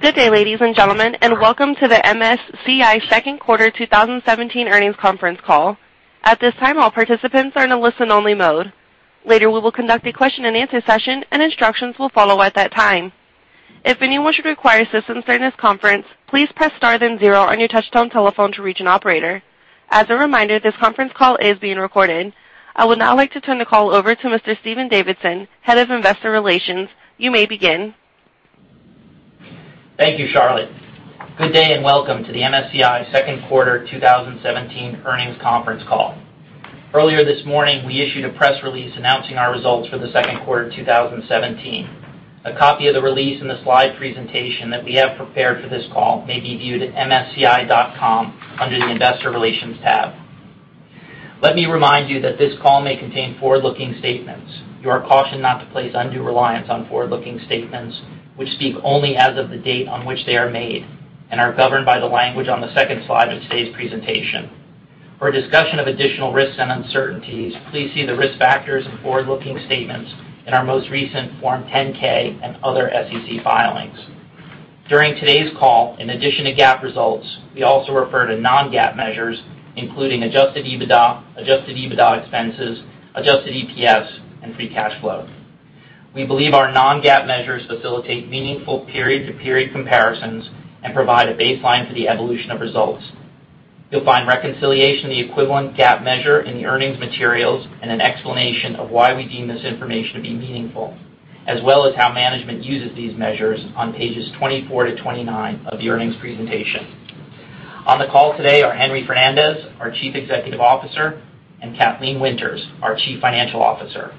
Good day, ladies and gentlemen, and welcome to the MSCI second quarter 2017 earnings conference call. At this time, all participants are in a listen-only mode. Later, we will conduct a question and answer session, and instructions will follow at that time. If anyone should require assistance during this conference, please press star then zero on your touchtone telephone to reach an operator. As a reminder, this conference call is being recorded. I would now like to turn the call over to Mr. Stephen Davidson, Head of Investor Relations. You may begin. Thank you, Charlotte. Good day, and welcome to the MSCI second quarter 2017 earnings conference call. Earlier this morning, we issued a press release announcing our results for the second quarter 2017. A copy of the release and the slide presentation that we have prepared for this call may be viewed at msci.com under the Investor Relations tab. Let me remind you that this call may contain forward-looking statements. You are cautioned not to place undue reliance on forward-looking statements, which speak only as of the date on which they are made and are governed by the language on the second slide of today's presentation. For a discussion of additional risks and uncertainties, please see the risk factors and forward-looking statements in our most recent Form 10-K and other SEC filings. During today's call, in addition to GAAP results, we also refer to non-GAAP measures, including adjusted EBITDA, adjusted EBITDA expenses, adjusted EPS, and free cash flow. We believe our non-GAAP measures facilitate meaningful period-to-period comparisons and provide a baseline for the evolution of results. You'll find reconciliation of the equivalent GAAP measure in the earnings materials and an explanation of why we deem this information to be meaningful, as well as how management uses these measures on pages 24-29 of the earnings presentation. On the call today are Henry Fernandez, our Chief Executive Officer, and Kathleen Winters, our Chief Financial Officer.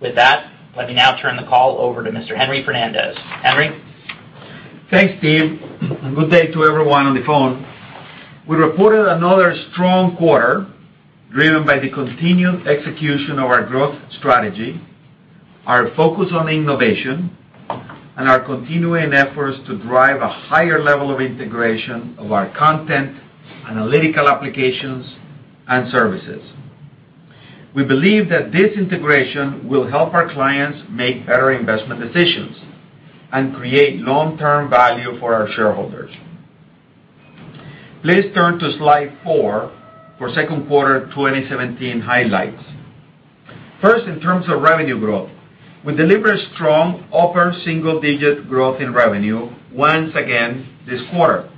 With that, let me now turn the call over to Mr. Henry Fernandez. Henry? Thanks, Steve, and good day to everyone on the phone. We reported another strong quarter driven by the continued execution of our growth strategy, our focus on innovation, and our continuing efforts to drive a higher level of integration of our content, analytical applications, and services. We believe that this integration will help our clients make better investment decisions and create long-term value for our shareholders. Please turn to Slide Four for second quarter 2017 highlights. First, in terms of revenue growth, we delivered strong upper single-digit growth in revenue once again this quarter.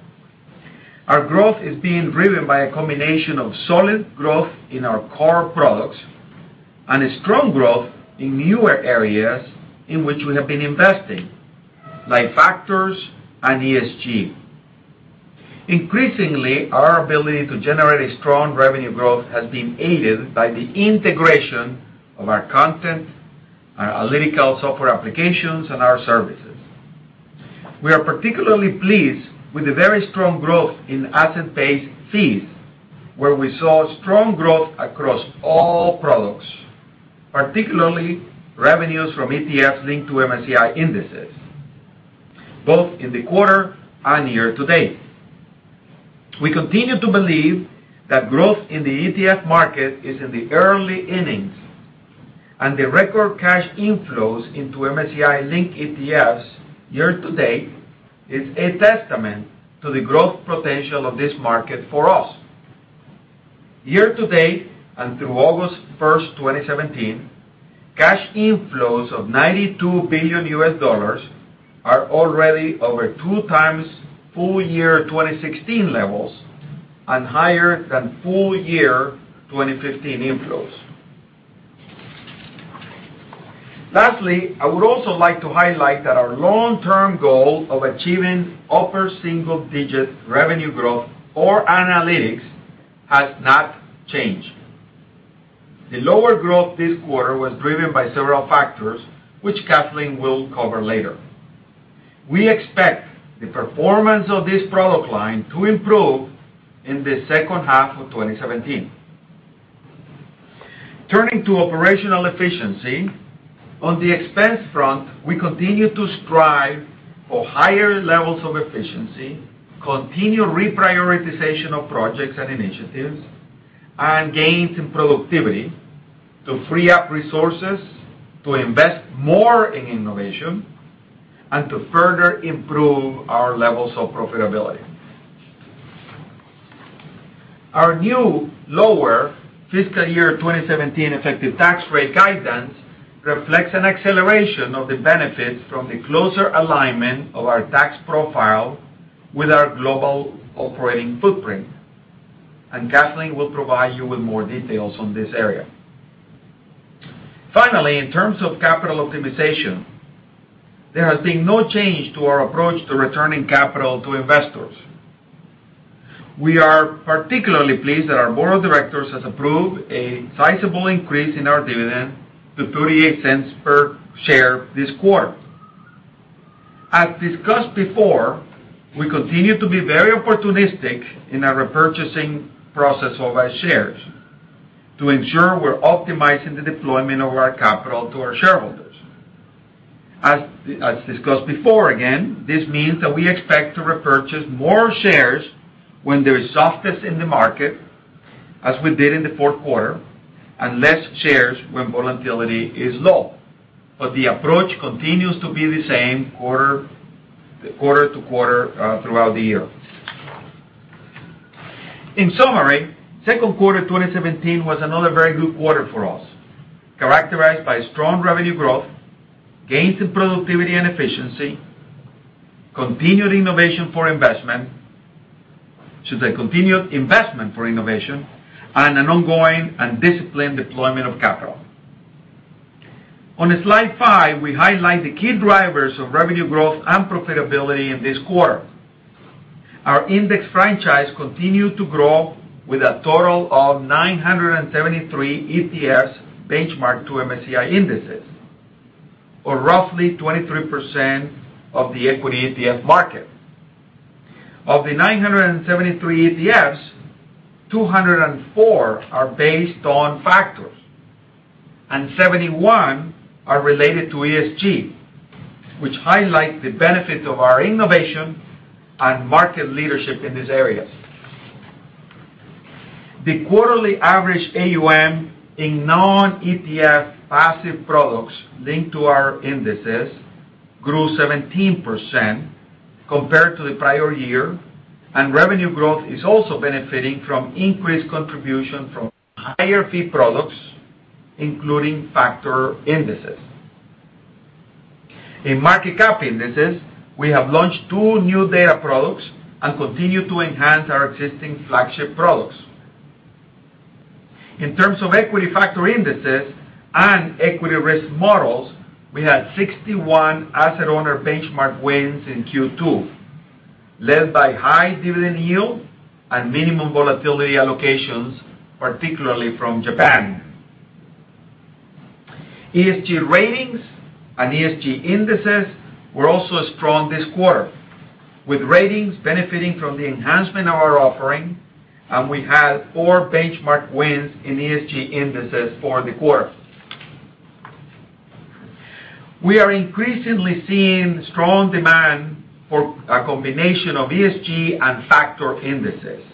Our growth is being driven by a combination of solid growth in our core products and a strong growth in newer areas in which we have been investing, like factors and ESG. Increasingly, our ability to generate a strong revenue growth has been aided by the integration of our content, our analytical software applications, and our services. We are particularly pleased with the very strong growth in asset-based fees, where we saw strong growth across all products, particularly revenues from ETFs linked to MSCI indexes, both in the quarter and year-to-date. We continue to believe that growth in the ETF market is in the early innings, and the record cash inflows into MSCI-linked ETFs year-to-date is a testament to the growth potential of this market for us. Year-to-date, and through August 1st, 2017, cash inflows of $92 billion are already over two times full year 2016 levels and higher than full year 2015 inflows. Lastly, I would also like to highlight that our long-term goal of achieving upper single-digit revenue growth for Analytics has not changed. The lower growth this quarter was driven by several factors, which Kathleen will cover later. We expect the performance of this product line to improve in the second half of 2017. Turning to operational efficiency, on the expense front, we continue to strive for higher levels of efficiency, continued reprioritization of projects and initiatives, and gains in productivity to free up resources to invest more in innovation and to further improve our levels of profitability. Our new, lower fiscal year 2017 effective tax rate guidance reflects an acceleration of the benefits from the closer alignment of our tax profile with our global operating footprint, and Kathleen will provide you with more details on this area. Finally, in terms of capital optimization, there has been no change to our approach to returning capital to investors. We are particularly pleased that our board of directors has approved a sizable increase in our dividend to $0.38 per share this quarter. As discussed before, we continue to be very opportunistic in our repurchasing process of our shares to ensure we're optimizing the deployment of our capital to our shareholders. As discussed before, again, this means that we expect to repurchase more shares when there is softness in the market as we did in the fourth quarter, and less shares when volatility is low. The approach continues to be the same quarter to quarter throughout the year. In summary, second quarter 2017 was another very good quarter for us, characterized by strong revenue growth, gains in productivity and efficiency, continued investment for innovation, and an ongoing and disciplined deployment of capital. On slide five, we highlight the key drivers of revenue growth and profitability in this quarter. Our index franchise continued to grow with a total of 973 ETFs benchmarked to MSCI indexes, or roughly 23% of the equity ETF market. Of the 973 ETFs, 204 are based on factors, and 71 are related to ESG, which highlights the benefit of our innovation and market leadership in these areas. The quarterly average AUM in non-ETF asset products linked to our indexes grew 17% compared to the prior year, and revenue growth is also benefiting from increased contribution from higher fee products, including factor indexes. In market cap indexes, we have launched two new data products and continue to enhance our existing flagship products. In terms of equity factor indices and equity risk models, we had 61 asset owner benchmark wins in Q2, led by high dividend yield and minimum volatility allocations, particularly from Japan. ESG ratings and ESG indices were also strong this quarter, with ratings benefiting from the enhancement of our offering, and we had four benchmark wins in ESG indices for the quarter. We are increasingly seeing strong demand for a combination of ESG and factor indices.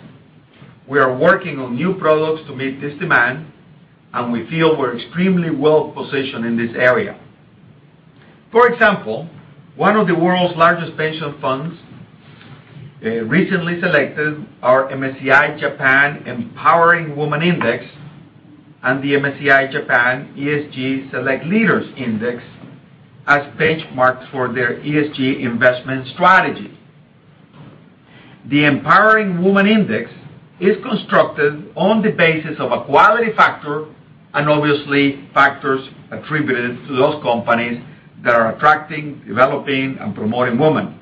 We are working on new products to meet this demand, and we feel we're extremely well-positioned in this area. For example, one of the world's largest pension funds recently selected our MSCI Japan Empowering Women Index and the MSCI Japan ESG Select Leaders Index as benchmarks for their ESG investment strategy. The Empowering Women Index is constructed on the basis of a quality factor and obviously factors attributed to those companies that are attracting, developing, and promoting women.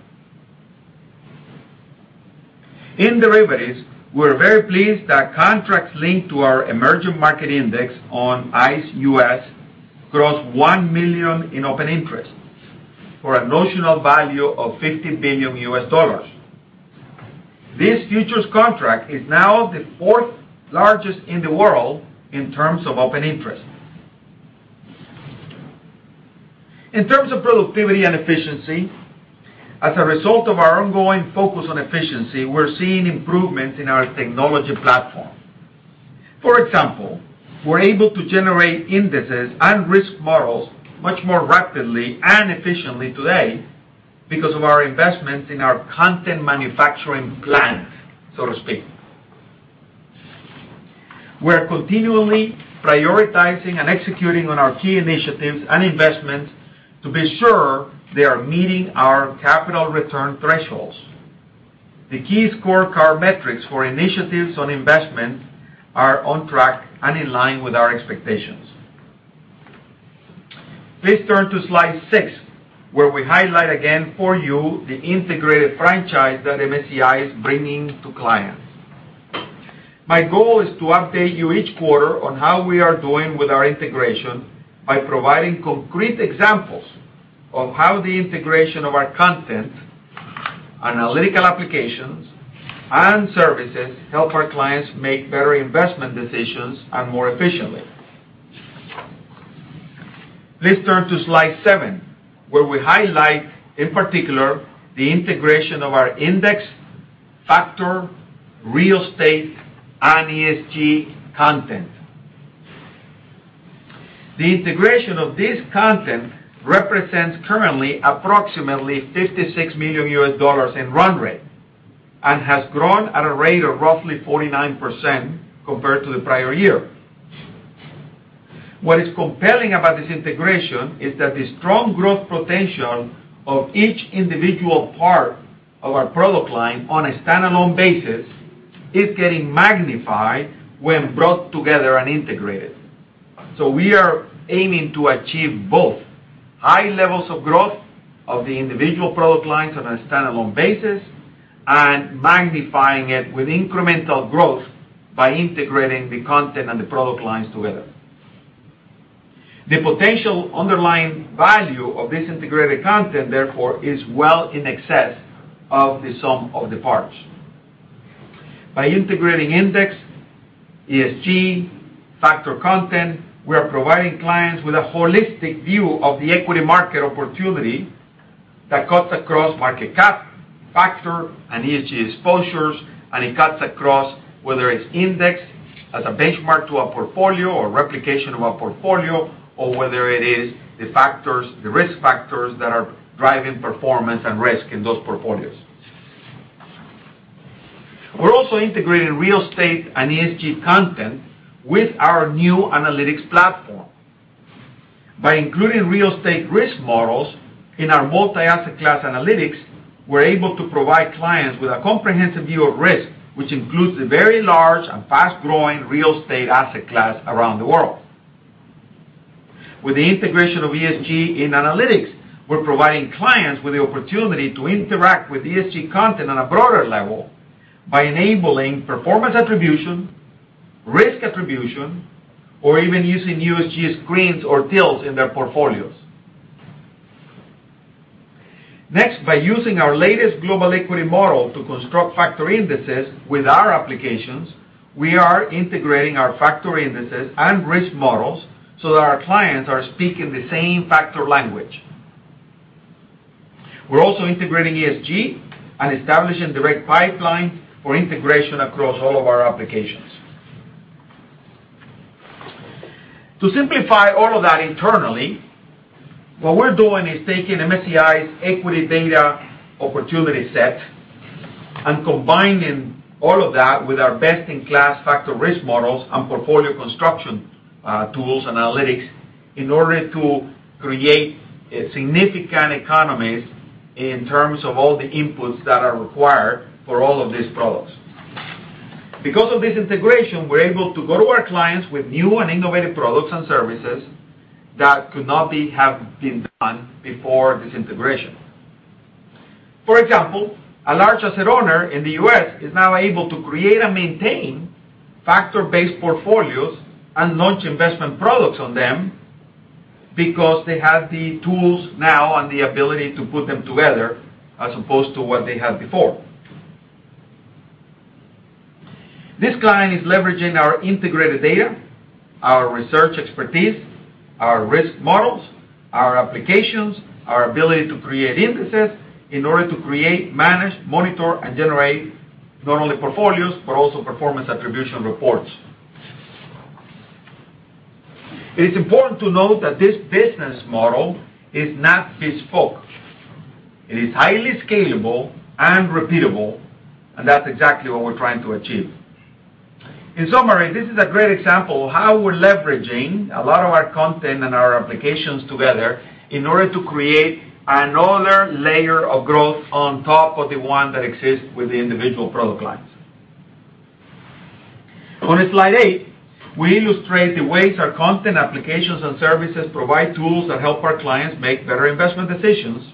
In derivatives, we're very pleased that contracts linked to our emerging market index on ICE US crossed 1 million in open interest, for a notional value of $50 billion. This futures contract is now the fourth largest in the world in terms of open interest. In terms of productivity and efficiency, as a result of our ongoing focus on efficiency, we're seeing improvement in our technology platform. For example, we're able to generate indices and risk models much more rapidly and efficiently today because of our investments in our content manufacturing plant, so to speak. We're continually prioritizing and executing on our key initiatives and investments to be sure they are meeting our capital return thresholds. The key scorecard metrics for initiatives on investment are on track and in line with our expectations. Please turn to slide six, where we highlight again for you the integrated franchise that MSCI is bringing to clients. My goal is to update you each quarter on how we are doing with our integration by providing concrete examples of how the integration of our content, analytical applications, and services help our clients make better investment decisions and more efficiently. Please turn to slide seven, where we highlight, in particular, the integration of our index, factor, real estate, and ESG content. The integration of this content represents currently approximately $56 million in run rate and has grown at a rate of roughly 49% compared to the prior year. What is compelling about this integration is that the strong growth potential of each individual part of our product line on a standalone basis is getting magnified when brought together and integrated. We are aiming to achieve both high levels of growth of the individual product lines on a standalone basis and magnifying it with incremental growth by integrating the content and the product lines together. The potential underlying value of this integrated content, therefore, is well in excess of the sum of the parts. By integrating index, ESG, factor content, we are providing clients with a holistic view of the equity market opportunity that cuts across market cap, factor, and ESG exposures, and it cuts across whether it's indexed as a benchmark to a portfolio or replication of a portfolio, or whether it is the risk factors that are driving performance and risk in those portfolios. We're also integrating real estate and ESG content with our new analytics platform. By including real estate risk models in our multi-asset class analytics, we're able to provide clients with a comprehensive view of risk, which includes the very large and fast-growing real estate asset class around the world. With the integration of ESG in analytics, we're providing clients with the opportunity to interact with ESG content on a broader level by enabling performance attribution, risk attribution, or even using ESG screens or deals in their portfolios. By using our latest global equity model to construct factor indices with our applications, we are integrating our factor indices and risk models so that our clients are speaking the same factor language. We're also integrating ESG and establishing direct pipelines for integration across all of our applications. To simplify all of that internally, what we're doing is taking MSCI's equity data opportunity set and combining all of that with our best-in-class factor risk models and portfolio construction tools analytics in order to create significant economies in terms of all the inputs that are required for all of these products. This integration, we're able to go to our clients with new and innovative products and services that could not have been done before this integration. A large asset owner in the U.S. is now able to create and maintain factor-based portfolios and launch investment products on them because they have the tools now and the ability to put them together as opposed to what they had before. This client is leveraging our integrated data, our research expertise, our risk models, our applications, our ability to create indices in order to create, manage, monitor, and generate not only portfolios, but also performance attribution reports. It is important to note that this business model is not bespoke. It is highly scalable and repeatable, and that's exactly what we're trying to achieve. In summary, this is a great example of how we're leveraging a lot of our content and our applications together in order to create another layer of growth on top of the one that exists with the individual product lines. On slide eight, we illustrate the ways our content, applications, and services provide tools that help our clients make better investment decisions.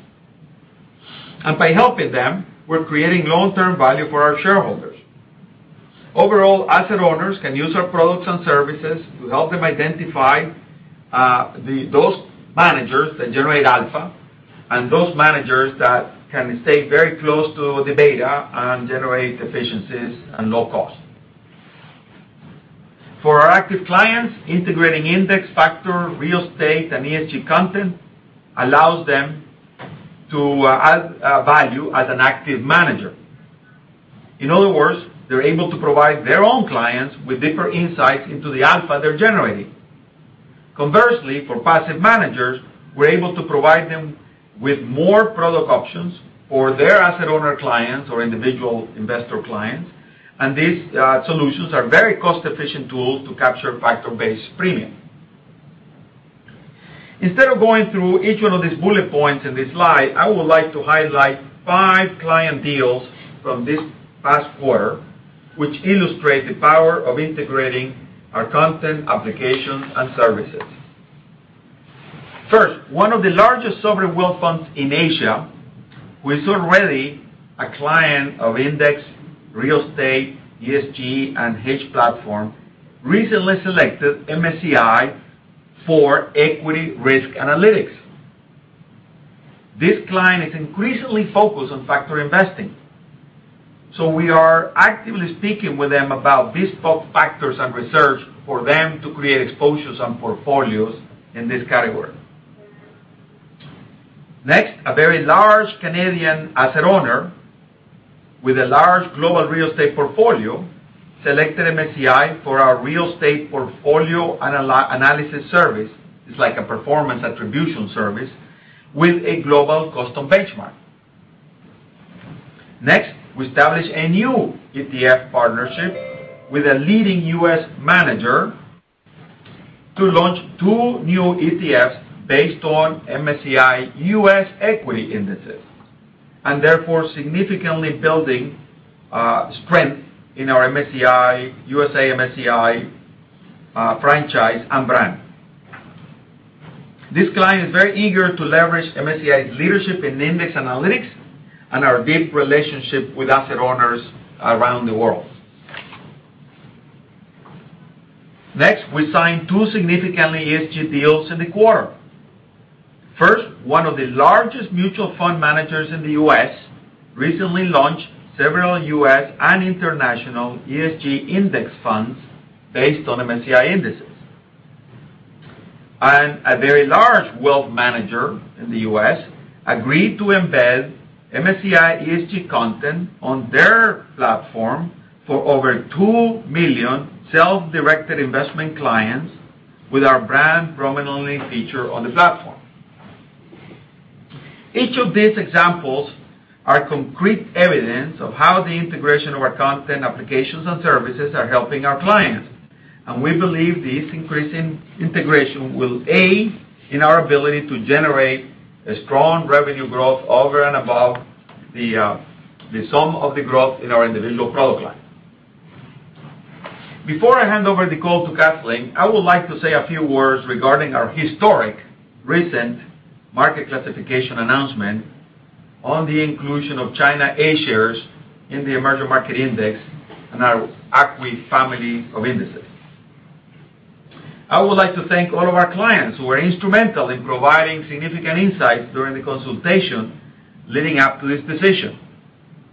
By helping them, we're creating long-term value for our shareholders. Overall, asset owners can use our products and services to help them identify those managers that generate alpha and those managers that can stay very close to the beta and generate efficiencies and low cost. For our active clients, integrating index factor, real estate, and ESG content allows them to add value as an active manager. In other words, they're able to provide their own clients with deeper insights into the alpha they're generating. Conversely, for passive managers, we're able to provide them with more product options for their asset owner clients or individual investor clients, and these solutions are very cost-efficient tools to capture factor-based premium. Instead of going through each one of these bullet points in this slide, I would like to highlight five client deals from this past quarter, which illustrate the power of integrating our content, applications, and services. First, one of the largest sovereign wealth funds in Asia, who is already a client of index real estate, ESG, and HedgePlatform, recently selected MSCI for equity risk analytics. This client is increasingly focused on factor investing, so we are actively speaking with them about bespoke factors and research for them to create exposures and portfolios in this category. Next, a very large Canadian asset owner with a large global real estate portfolio selected MSCI for our real estate portfolio analysis service, it's like a performance attribution service, with a global custom benchmark. Therefore significantly building strength in our U.S. MSCI franchise and brand, we established a new ETF partnership with a leading U.S. manager to launch two new ETFs based on MSCI U.S. equity indices. This client is very eager to leverage MSCI's leadership in index analytics and our deep relationship with asset owners around the world. Next, we signed two significant ESG deals in the quarter. First, one of the largest mutual fund managers in the U.S. recently launched several U.S. and international ESG index funds based on MSCI indices. A very large wealth manager in the U.S. agreed to embed MSCI ESG content on their platform for over 2 million self-directed investment clients with our brand prominent only feature on the platform. Each of these examples are concrete evidence of how the integration of our content, applications, and services are helping our clients. We believe this increasing integration will aid in our ability to generate a strong revenue growth over and above the sum of the growth in our individual product line. Before I hand over the call to Kathleen, I would like to say a few words regarding our historic recent market classification announcement on the inclusion of China A shares in the emerging market index and our ACWI family of indices. I would like to thank all of our clients who were instrumental in providing significant insights during the consultation leading up to this decision,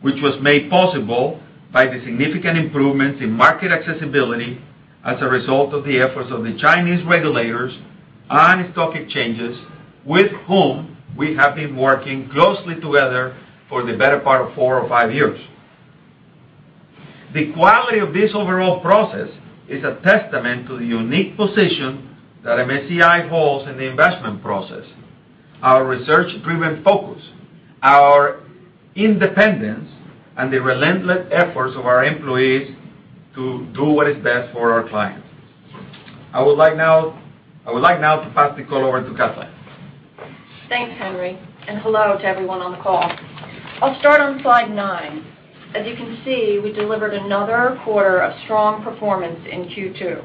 which was made possible by the significant improvements in market accessibility as a result of the efforts of the Chinese regulators and stock exchanges, with whom we have been working closely together for the better part of four or five years. The quality of this overall process is a testament to the unique position that MSCI holds in the investment process, our research-driven focus, our independence, and the relentless efforts of our employees to do what is best for our clients. I would like now to pass the call over to Kathleen. Thanks, Henry, and hello to everyone on the call. I'll start on slide nine. As you can see, we delivered another quarter of strong performance in Q2.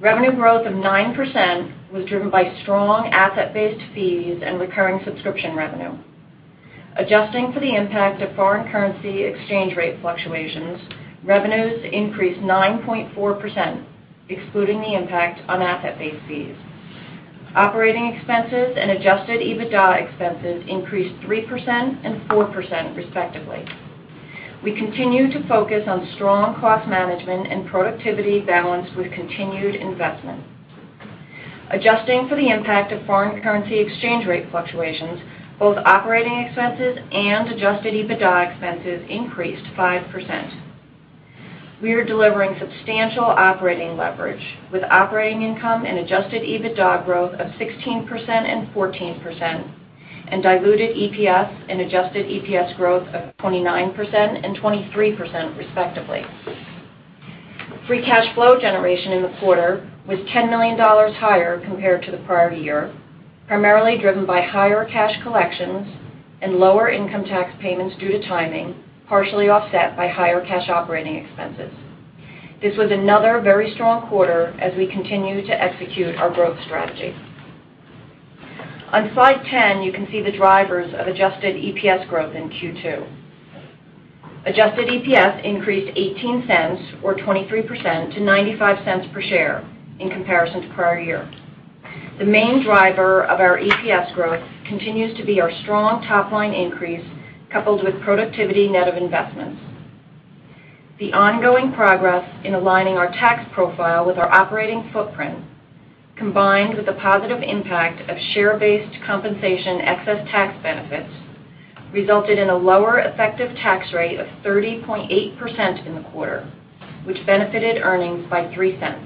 Revenue growth of 9% was driven by strong asset-based fees and recurring subscription revenue. Adjusting for the impact of foreign currency exchange rate fluctuations, revenues increased 9.4%, excluding the impact on asset-based fees. Operating expenses and adjusted EBITDA expenses increased 3% and 4% respectively. We continue to focus on strong cost management and productivity balanced with continued investment. Adjusting for the impact of foreign currency exchange rate fluctuations, both operating expenses and adjusted EBITDA expenses increased 5%. We are delivering substantial operating leverage with operating income and adjusted EBITDA growth of 16% and 14%, and diluted EPS and adjusted EPS growth of 29% and 23% respectively. Free cash flow generation in the quarter was $10 million higher compared to the prior year, primarily driven by higher cash collections and lower income tax payments due to timing, partially offset by higher cash operating expenses. This was another very strong quarter as we continue to execute our growth strategy. On slide 10, you can see the drivers of adjusted EPS growth in Q2. Adjusted EPS increased $0.18 or 23% to $0.95 per share in comparison to prior year. The main driver of our EPS growth continues to be our strong top-line increase, coupled with productivity net of investments. The ongoing progress in aligning our tax profile with our operating footprint, combined with the positive impact of share-based compensation excess tax benefits, resulted in a lower effective tax rate of 30.8% in the quarter, which benefited earnings by $0.03.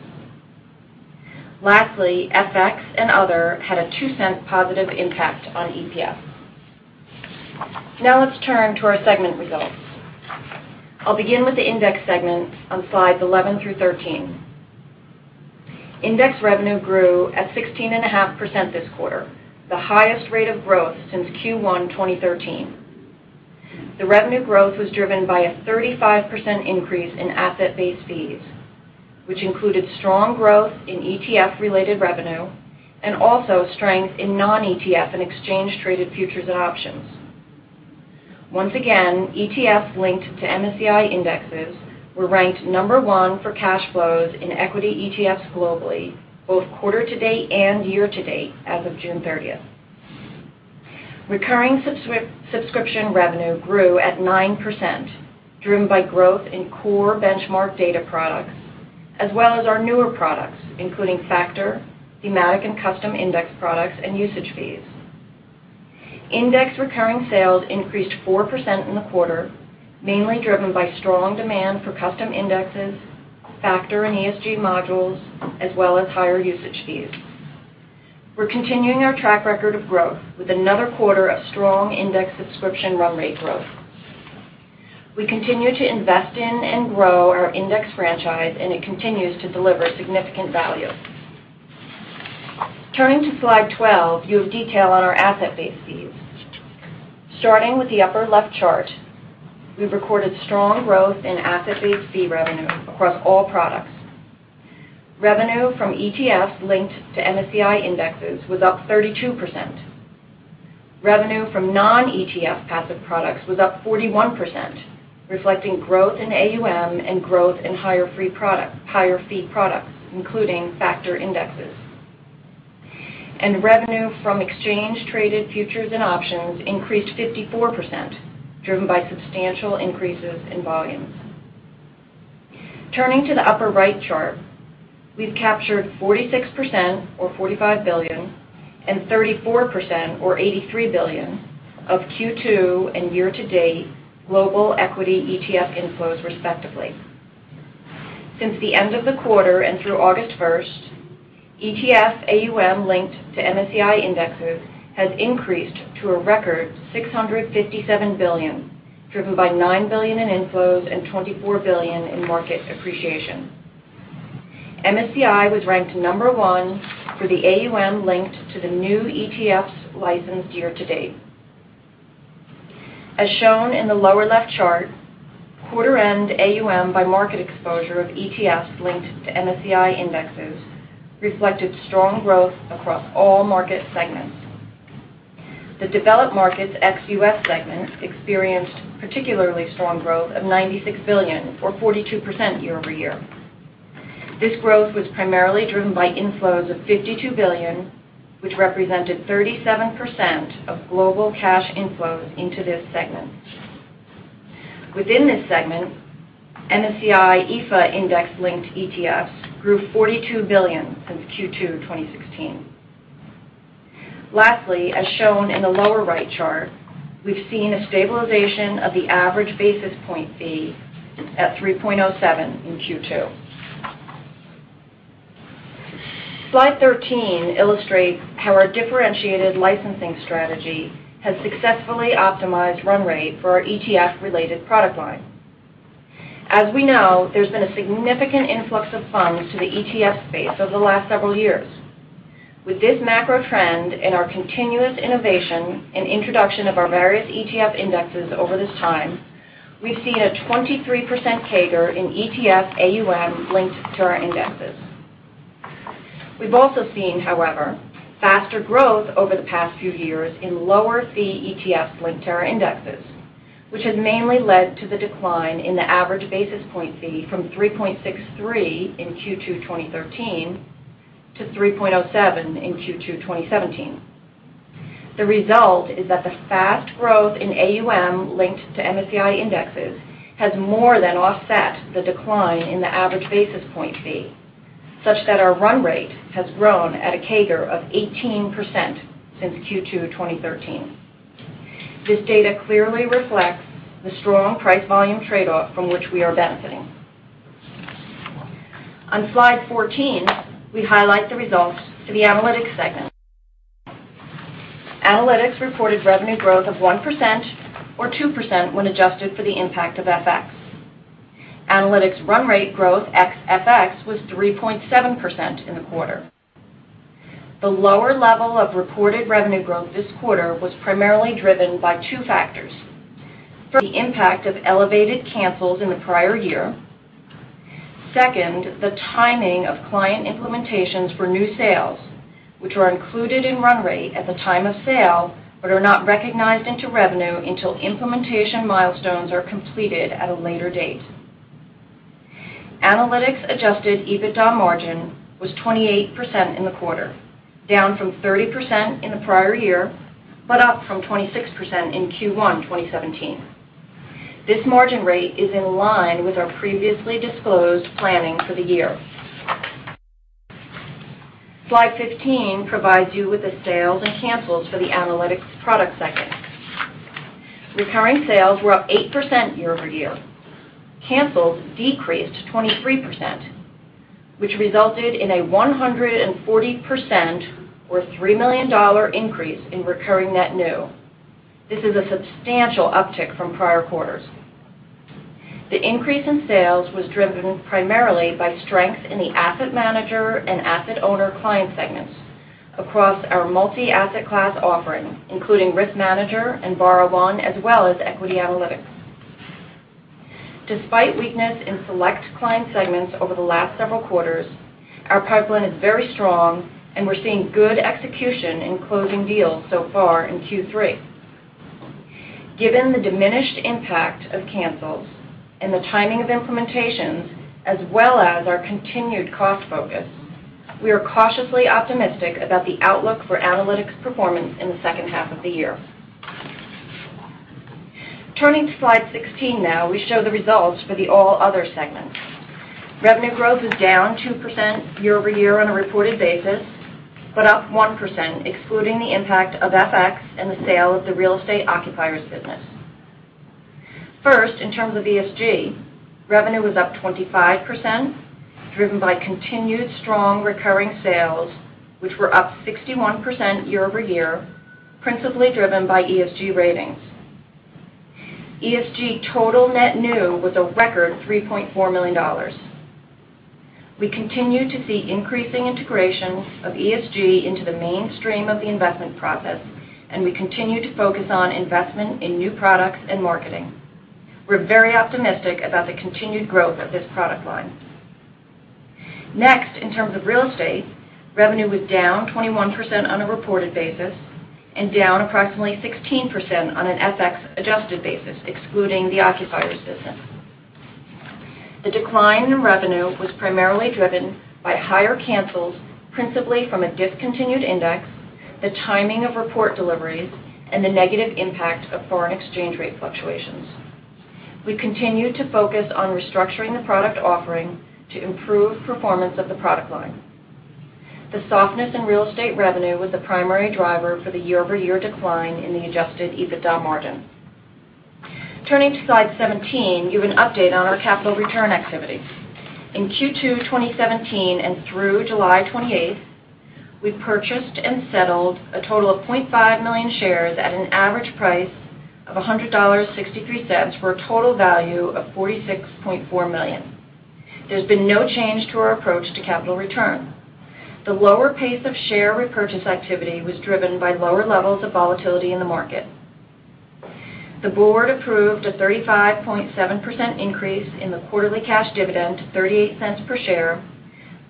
FX and other had a $0.02 positive impact on EPS. Now let's turn to our segment results. I'll begin with the index segment on slides 11 through 13. Index revenue grew at 16.5% this quarter, the highest rate of growth since Q1 2013. The revenue growth was driven by a 35% increase in asset-based fees, which included strong growth in ETF-related revenue and also strength in non-ETF and exchange-traded futures and options. Once again, ETFs linked to MSCI indexes were ranked number 1 for cash flows in equity ETFs globally, both quarter to date and year to date as of June 30th. Recurring subscription revenue grew at 9%, driven by growth in core benchmark data products, as well as our newer products, including factor, thematic and custom index products and usage fees. Index recurring sales increased 4% in the quarter, mainly driven by strong demand for custom indexes, factor and ESG modules, as well as higher usage fees. We're continuing our track record of growth with another quarter of strong index subscription run rate growth. We continue to invest in and grow our index franchise. It continues to deliver significant value. Turning to slide 12, you have detail on our asset-based fees. Starting with the upper left chart, we've recorded strong growth in asset-based fee revenue across all products. Revenue from ETFs linked to MSCI indexes was up 32%. Revenue from non-ETF passive products was up 41%, reflecting growth in AUM and growth in higher fee products, including factor indexes. Revenue from exchange-traded futures and options increased 54%, driven by substantial increases in volume. Turning to the upper right chart, we've captured 46%, or $45 billion, and 34%, or $83 billion, of Q2 and year-to-date global equity ETF inflows respectively. Since the end of the quarter and through August 1st, ETF AUM linked to MSCI indexes has increased to a record $657 billion, driven by $9 billion in inflows and $24 billion in market appreciation. MSCI was ranked number one for the AUM linked to the new ETFs licensed year-to-date. As shown in the lower left chart, quarter-end AUM by market exposure of ETFs linked to MSCI indexes reflected strong growth across all market segments. The developed markets ex-U.S. segments experienced particularly strong growth of $96 billion, or 42% year-over-year. This growth was primarily driven by inflows of $52 billion, which represented 37% of global cash inflows into this segment. Within this segment, MSCI EAFE Index-linked ETFs grew $42 billion since Q2 2016. Lastly, as shown in the lower right chart, we've seen a stabilization of the average basis point fee at 3.07 in Q2. Slide 13 illustrates how our differentiated licensing strategy has successfully optimized run rate for our ETF-related product line. As we know, there's been a significant influx of funds to the ETF space over the last several years. With this macro trend and our continuous innovation and introduction of our various ETF indexes over this time, we've seen a 23% CAGR in ETF AUM linked to our indexes. We've also seen, however, faster growth over the past few years in lower fee ETFs linked to our indexes, which has mainly led to the decline in the average basis point fee from 3.63 in Q2 2013 to 3.07 in Q2 2017. The result is that the fast growth in AUM linked to MSCI indexes has more than offset the decline in the average basis point fee, such that our run rate has grown at a CAGR of 18% since Q2 2013. This data clearly reflects the strong price-volume trade-off from which we are benefiting. On Slide 14, we highlight the results for the Analytics segment. Analytics reported revenue growth of 1%, or 2% when adjusted for the impact of FX. Analytics run rate growth ex FX was 3.7% in the quarter. The lower level of reported revenue growth this quarter was primarily driven by two factors. First, the impact of elevated cancels in the prior year. Second, the timing of client implementations for new sales, which are included in run rate at the time of sale, but are not recognized into revenue until implementation milestones are completed at a later date. Analytics adjusted EBITDA margin was 28% in the quarter, down from 30% in the prior year, but up from 26% in Q1 2017. This margin rate is in line with our previously disclosed planning for the year. Slide 15 provides you with the sales and cancels for the Analytics product segment. Recurring sales were up 8% year-over-year. Cancels decreased 23%, which resulted in a 140%, or $3 million, increase in recurring net new. This is a substantial uptick from prior quarters. The increase in sales was driven primarily by strength in the asset manager and asset owner client segments across our multi-asset class offering, including RiskManager and BarraOne, as well as Equity Analytics. Despite weakness in select client segments over the last several quarters, our pipeline is very strong, and we're seeing good execution in closing deals so far in Q3. Given the diminished impact of cancels and the timing of implementations, as well as our continued cost focus, we are cautiously optimistic about the outlook for Analytics performance in the second half of the year. Turning to slide 16 now, we show the results for the All Other segment. Revenue growth is down 2% year-over-year on a reported basis, but up 1% excluding the impact of FX and the sale of the real estate occupiers business. First, in terms of ESG, revenue was up 25%, driven by continued strong recurring sales, which were up 61% year-over-year, principally driven by ESG ratings. ESG total net new was a record $3.4 million. We continue to see increasing integration of ESG into the mainstream of the investment process, and we continue to focus on investment in new products and marketing. We're very optimistic about the continued growth of this product line. Next, in terms of real estate, revenue was down 21% on a reported basis and down approximately 16% on an FX-adjusted basis, excluding the occupiers business. The decline in revenue was primarily driven by higher cancels, principally from a discontinued index. The timing of report deliveries, and the negative impact of foreign exchange rate fluctuations. We continue to focus on restructuring the product offering to improve performance of the product line. The softness in real estate revenue was the primary driver for the year-over-year decline in the adjusted EBITDA margin. Turning to slide 17, we give an update on our capital return activity. In Q2 2017 and through July 28th, we purchased and settled a total of 0.5 million shares at an average price of $100.63, for a total value of $46.4 million. There's been no change to our approach to capital return. The lower pace of share repurchase activity was driven by lower levels of volatility in the market. The board approved a 35.7% increase in the quarterly cash dividend to $0.38 per share,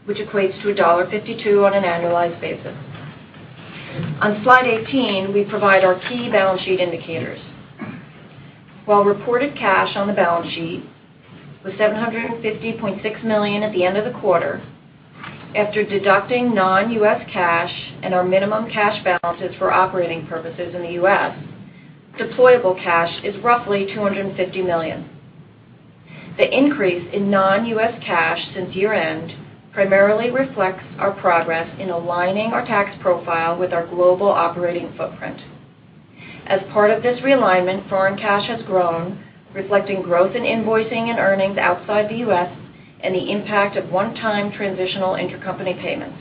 which equates to $1.52 on an annualized basis. On slide 18, we provide our key balance sheet indicators. While reported cash on the balance sheet was $750.6 million at the end of the quarter, after deducting non-U.S. cash and our minimum cash balances for operating purposes in the U.S., deployable cash is roughly $250 million. The increase in non-U.S. cash since year-end primarily reflects our progress in aligning our tax profile with our global operating footprint. As part of this realignment, foreign cash has grown, reflecting growth in invoicing and earnings outside the U.S. and the impact of one-time transitional intercompany payments.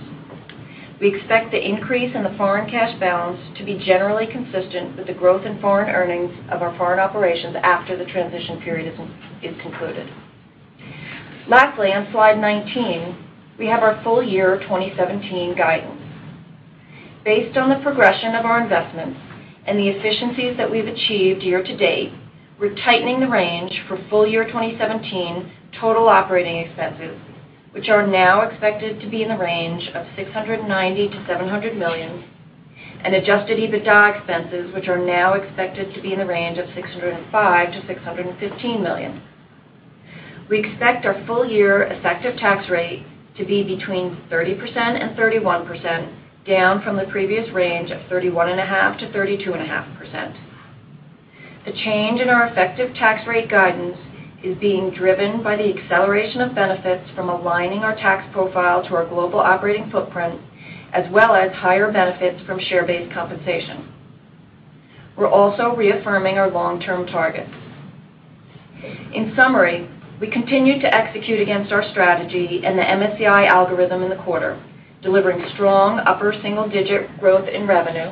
We expect the increase in the foreign cash balance to be generally consistent with the growth in foreign earnings of our foreign operations after the transition period is concluded. Lastly, on slide 19, we have our full-year 2017 guidance. Based on the progression of our investments and the efficiencies that we've achieved year-to-date, we're tightening the range for full-year 2017 total operating expenses, which are now expected to be in the range of $690 million-$700 million, and adjusted EBITDA expenses, which are now expected to be in the range of $605 million-$615 million. We expect our full-year effective tax rate to be between 30% and 31%, down from the previous range of 31.5%-32.5%. The change in our effective tax rate guidance is being driven by the acceleration of benefits from aligning our tax profile to our global operating footprint, as well as higher benefits from share-based compensation. We're also reaffirming our long-term targets. In summary, we continue to execute against our strategy and the MSCI algorithm in the quarter, delivering strong upper single-digit growth in revenue,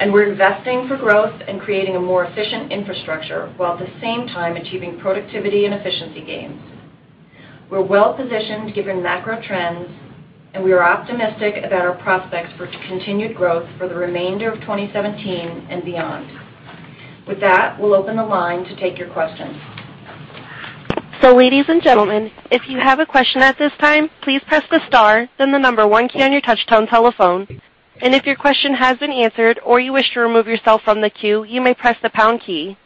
and we're investing for growth and creating a more efficient infrastructure, while at the same time achieving productivity and efficiency gains. We're well-positioned given macro trends, and we are optimistic about our prospects for continued growth for the remainder of 2017 and beyond. With that, we'll open the line to take your questions. Ladies and gentlemen, if you have a question at this time, please press the star, then the number one key on your touch-tone telephone. If your question has been answered or you wish to remove yourself from the queue, you may press the pound key.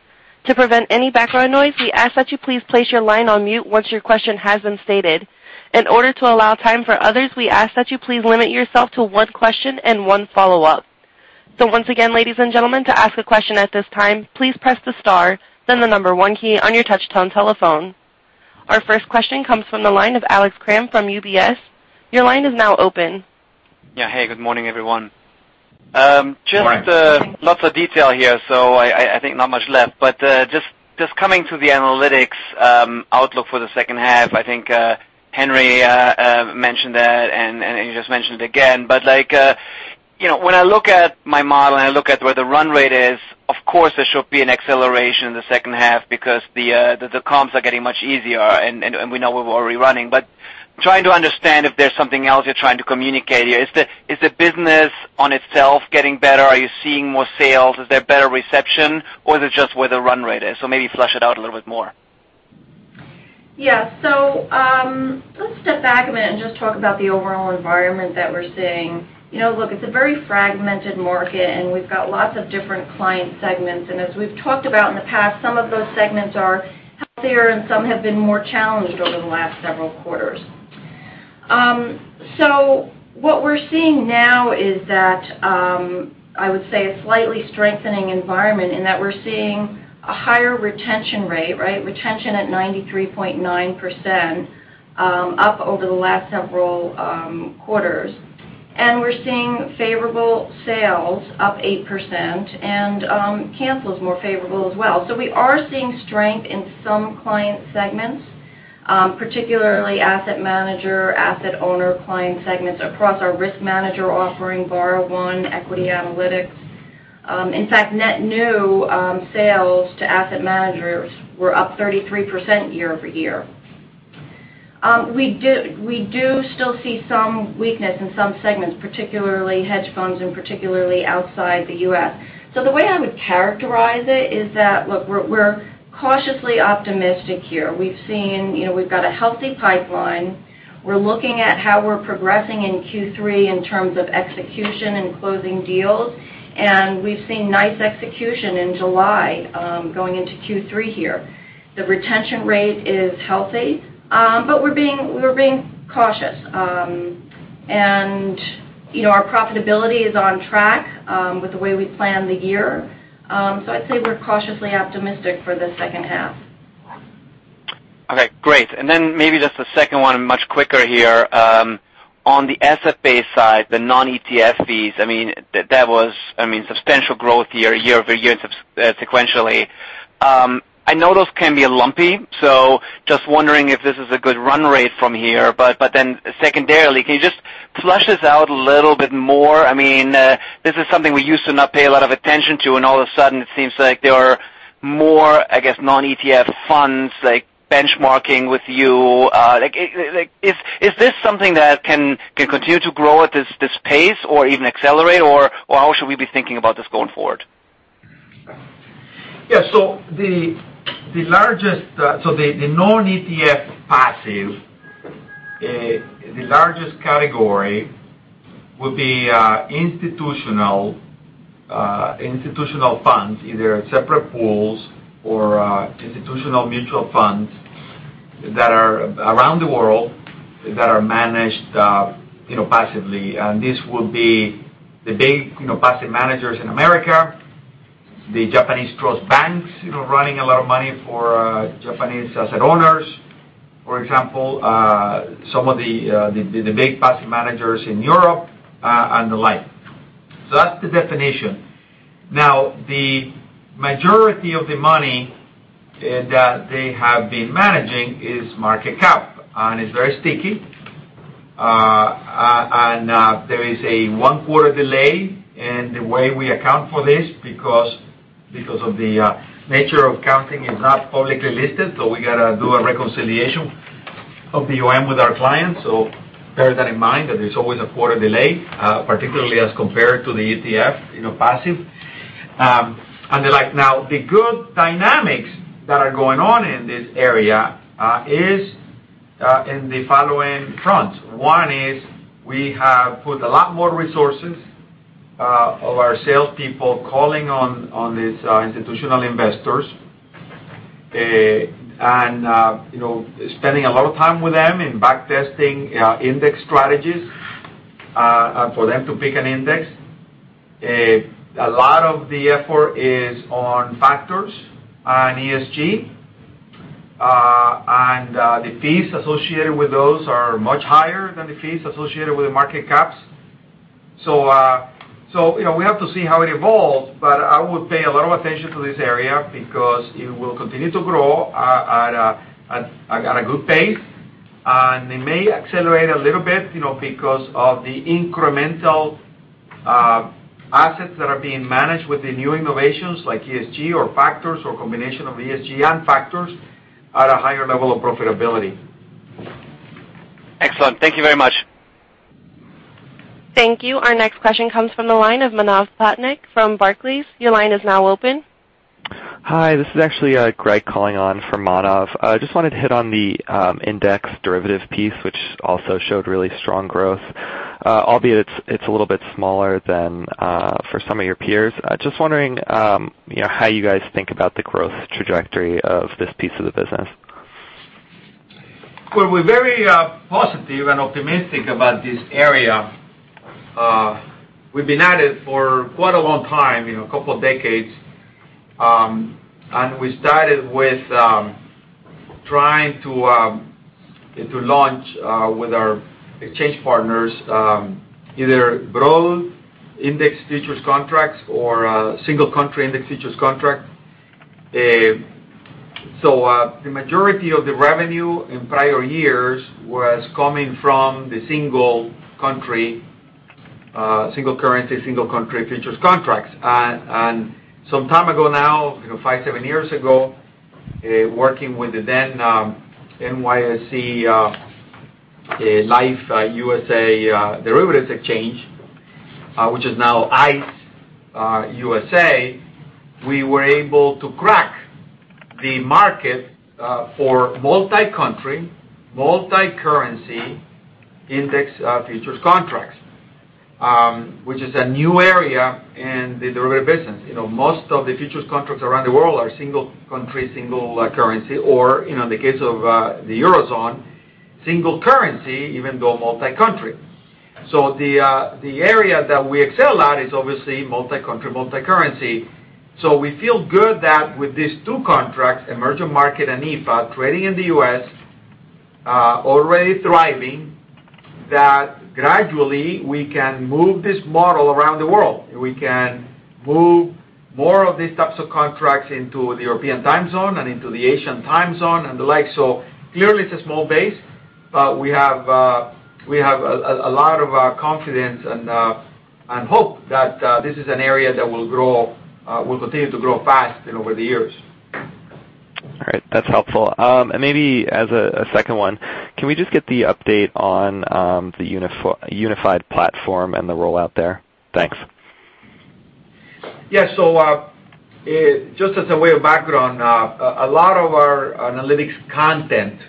To prevent any background noise, we ask that you please place your line on mute once your question has been stated. In order to allow time for others, we ask that you please limit yourself to one question and one follow-up. Once again, ladies and gentlemen, to ask a question at this time, please press the star, then the number one key on your touch-tone telephone. Our first question comes from the line of Alex Kramm from UBS. Your line is now open. Yeah. Hey, good morning, everyone. Good morning. Just lots of detail here, so I think not much left. Just coming to the analytics outlook for the second half, I think Henry mentioned that and you just mentioned it again. When I look at my model and I look at where the run rate is, of course, there should be an acceleration in the second half because the comps are getting much easier, and we know we're already running. Trying to understand if there's something else you're trying to communicate here. Is the business on itself getting better? Are you seeing more sales? Is there better reception, or is it just where the run rate is? Maybe flesh it out a little bit more. Yeah. Let's step back a minute and just talk about the overall environment that we're seeing. Look, it's a very fragmented market, and we've got lots of different client segments. As we've talked about in the past, some of those segments are healthier and some have been more challenged over the last several quarters. What we're seeing now is that, I would say, a slightly strengthening environment in that we're seeing a higher retention rate. Retention at 93.9%, up over the last several quarters. We're seeing favorable sales up 8% and cancels more favorable as well. We are seeing strength in some client segments, particularly asset manager, asset owner client segments across our RiskManager offering, BarraOne, Equity Analytics. In fact, net new sales to asset managers were up 33% year-over-year. We do still see some weakness in some segments, particularly hedge funds and particularly outside the U.S. The way I would characterize it is that, look, we're cautiously optimistic here. We've got a healthy pipeline. We're looking at how we're progressing in Q3 in terms of execution and closing deals, and we've seen nice execution in July going into Q3 here. The retention rate is healthy. We're being cautious. Our profitability is on track with the way we planned the year. I'd say we're cautiously optimistic for the second half. Okay, great. Maybe just the second one much quicker here. On the asset base side, the non-ETF fees, that was substantial growth year-over-year and sequentially. I know those can be lumpy, just wondering if this is a good run rate from here. Secondarily, can you just flesh this out a little bit more? This is something we used to not pay a lot of attention to, all of a sudden, it seems like there are more, I guess, non-ETF funds benchmarking with you. Is this something that can continue to grow at this pace or even accelerate, or how should we be thinking about this going forward? The non-ETF passive, the largest category would be institutional funds, either separate pools or institutional mutual funds that are around the world that are managed passively. This would be the big passive managers in America, the Japanese trust banks running a lot of money for Japanese asset owners, for example, some of the big passive managers in Europe, and the like. That's the definition. Now, the majority of the money that they have been managing is market cap, and it's very sticky. There is a one-quarter delay in the way we account for this because of the nature of accounting is not publicly listed. We got to do a reconciliation of the AUM with our clients. Bear that in mind that there's always a quarter delay, particularly as compared to the ETF passive. Now, the good dynamics that are going on in this area is in the following fronts. One is we have put a lot more resources of our salespeople calling on these institutional investors, and spending a lot of time with them in backtesting index strategies for them to pick an index. A lot of the effort is on factors and ESG. The fees associated with those are much higher than the fees associated with the market caps. We have to see how it evolves, but I would pay a lot of attention to this area because it will continue to grow at a good pace. They may accelerate a little bit because of the incremental assets that are being managed with the new innovations like ESG or factors or combination of ESG and factors at a higher level of profitability. Excellent. Thank you very much. Thank you. Our next question comes from the line of Manav Patnaik from Barclays. Your line is now open. Hi, this is actually Greg calling on for Manav. I just wanted to hit on the index derivative piece, which also showed really strong growth, albeit it's a little bit smaller than for some of your peers. Just wondering how you guys think about the growth trajectory of this piece of the business. Well, we're very positive and optimistic about this area. We've been at it for quite a long time, a couple of decades. We started with trying to launch with our exchange partners, either broad index futures contracts or single country index futures contract. The majority of the revenue in prior years was coming from the single currency, single country futures contracts. Some time ago now, five, seven years ago, working with the then NYSE Liffe U.S. Derivative Exchange, which is now ICE US, we were able to crack the market for multi-country, multi-currency index futures contracts which is a new area in the derivative business. Most of the futures contracts around the world are single country, single currency, or in the case of the Eurozone, single currency, even though multi-country. The area that we excel at is obviously multi-country, multi-currency. We feel good that with these two contracts, emerging market and EFA trading in the U.S., already thriving, that gradually we can move this model around the world. We can move more of these types of contracts into the European time zone and into the Asian time zone and the like. Clearly it's a small base, but we have a lot of confidence and hope that this is an area that will continue to grow fast over the years. All right. That's helpful. Maybe as a second one, can we just get the update on the unified platform and the rollout there? Thanks. Just as a way of background, a lot of our analytics content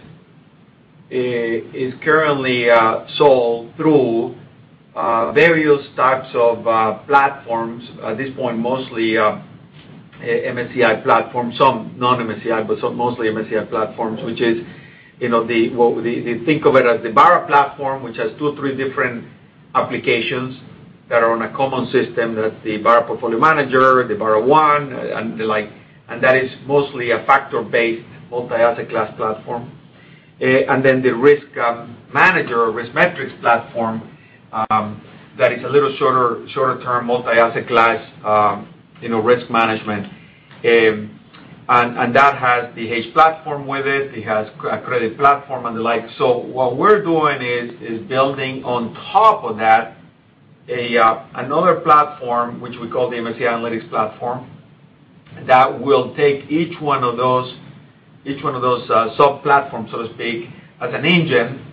is currently sold through various types of platforms. At this point, mostly MSCI platforms, some non-MSCI, but mostly MSCI platforms, which is what. Think of it as the Barra platform, which has two or three different applications that are on a common system, that's the Barra Portfolio Manager, the BarraOne and the like. That is mostly a factor-based multi-asset class platform. Then the RiskManager or RiskMetrics platform, that is a little shorter term multi-asset class risk management. That has the HedgePlatform with it has a credit platform and the like. What we're doing is building on top of that another platform, which we call the MSCI Analytics platform, that will take each one of those sub-platforms, so to speak, as an engine.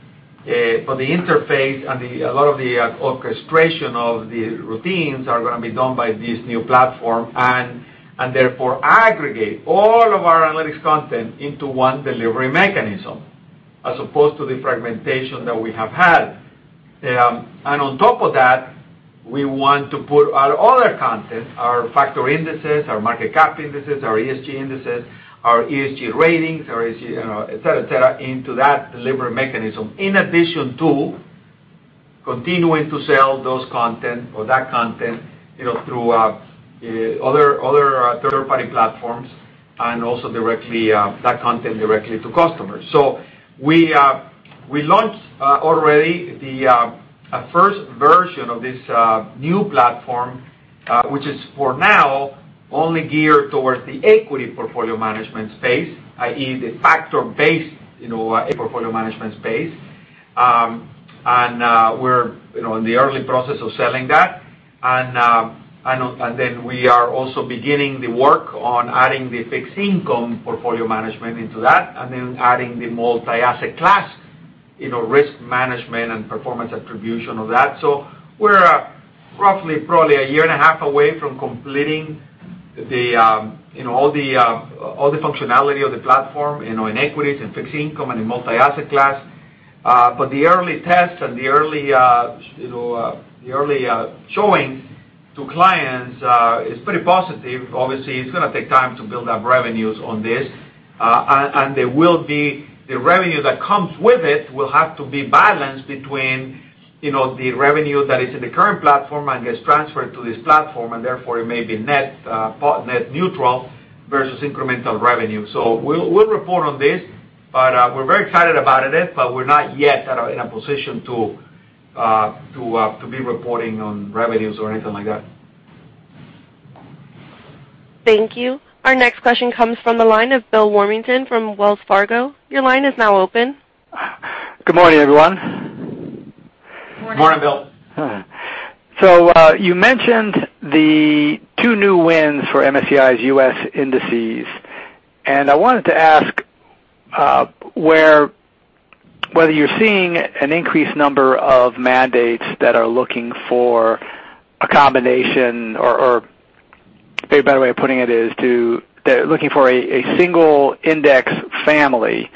The interface and a lot of the orchestration of the routines are going to be done by this new platform, and therefore aggregate all of our analytics content into one delivery mechanism, as opposed to the fragmentation that we have had. On top of that, we want to put our other content, our factor indices, our market cap indices, our ESG indices, our ESG ratings, our ESG, et cetera, et cetera, into that delivery mechanism, in addition to continuing to sell those content or that content throughout other third-party platforms and also that content directly to customers. We launched already the first version of this new platform, which is for now only geared towards the equity portfolio management space, i.e., the factor-based equity portfolio management space. We're in the early process of selling that. We are also beginning the work on adding the fixed income portfolio management into that, adding the multi-asset class risk management and performance attribution of that. We're roughly probably a year and a half away from completing all the functionality of the platform in equities and fixed income and in multi-asset class. The early tests and the early showing to clients is pretty positive. Obviously, it's going to take time to build up revenues on this. The revenue that comes with it will have to be balanced between the revenue that is in the current platform and gets transferred to this platform, and therefore it may be net neutral versus incremental revenue. We'll report on this, but we're very excited about it, but we're not yet in a position to be reporting on revenues or anything like that. Thank you. Our next question comes from the line of Bill Warmington from Wells Fargo. Your line is now open. Good morning, everyone. Morning. Morning, Bill. You mentioned the two new wins for MSCI's U.S. indices. I wanted to ask whether you're seeing an increased number of mandates that are looking for a combination, or maybe a better way of putting it is they're looking for a single index family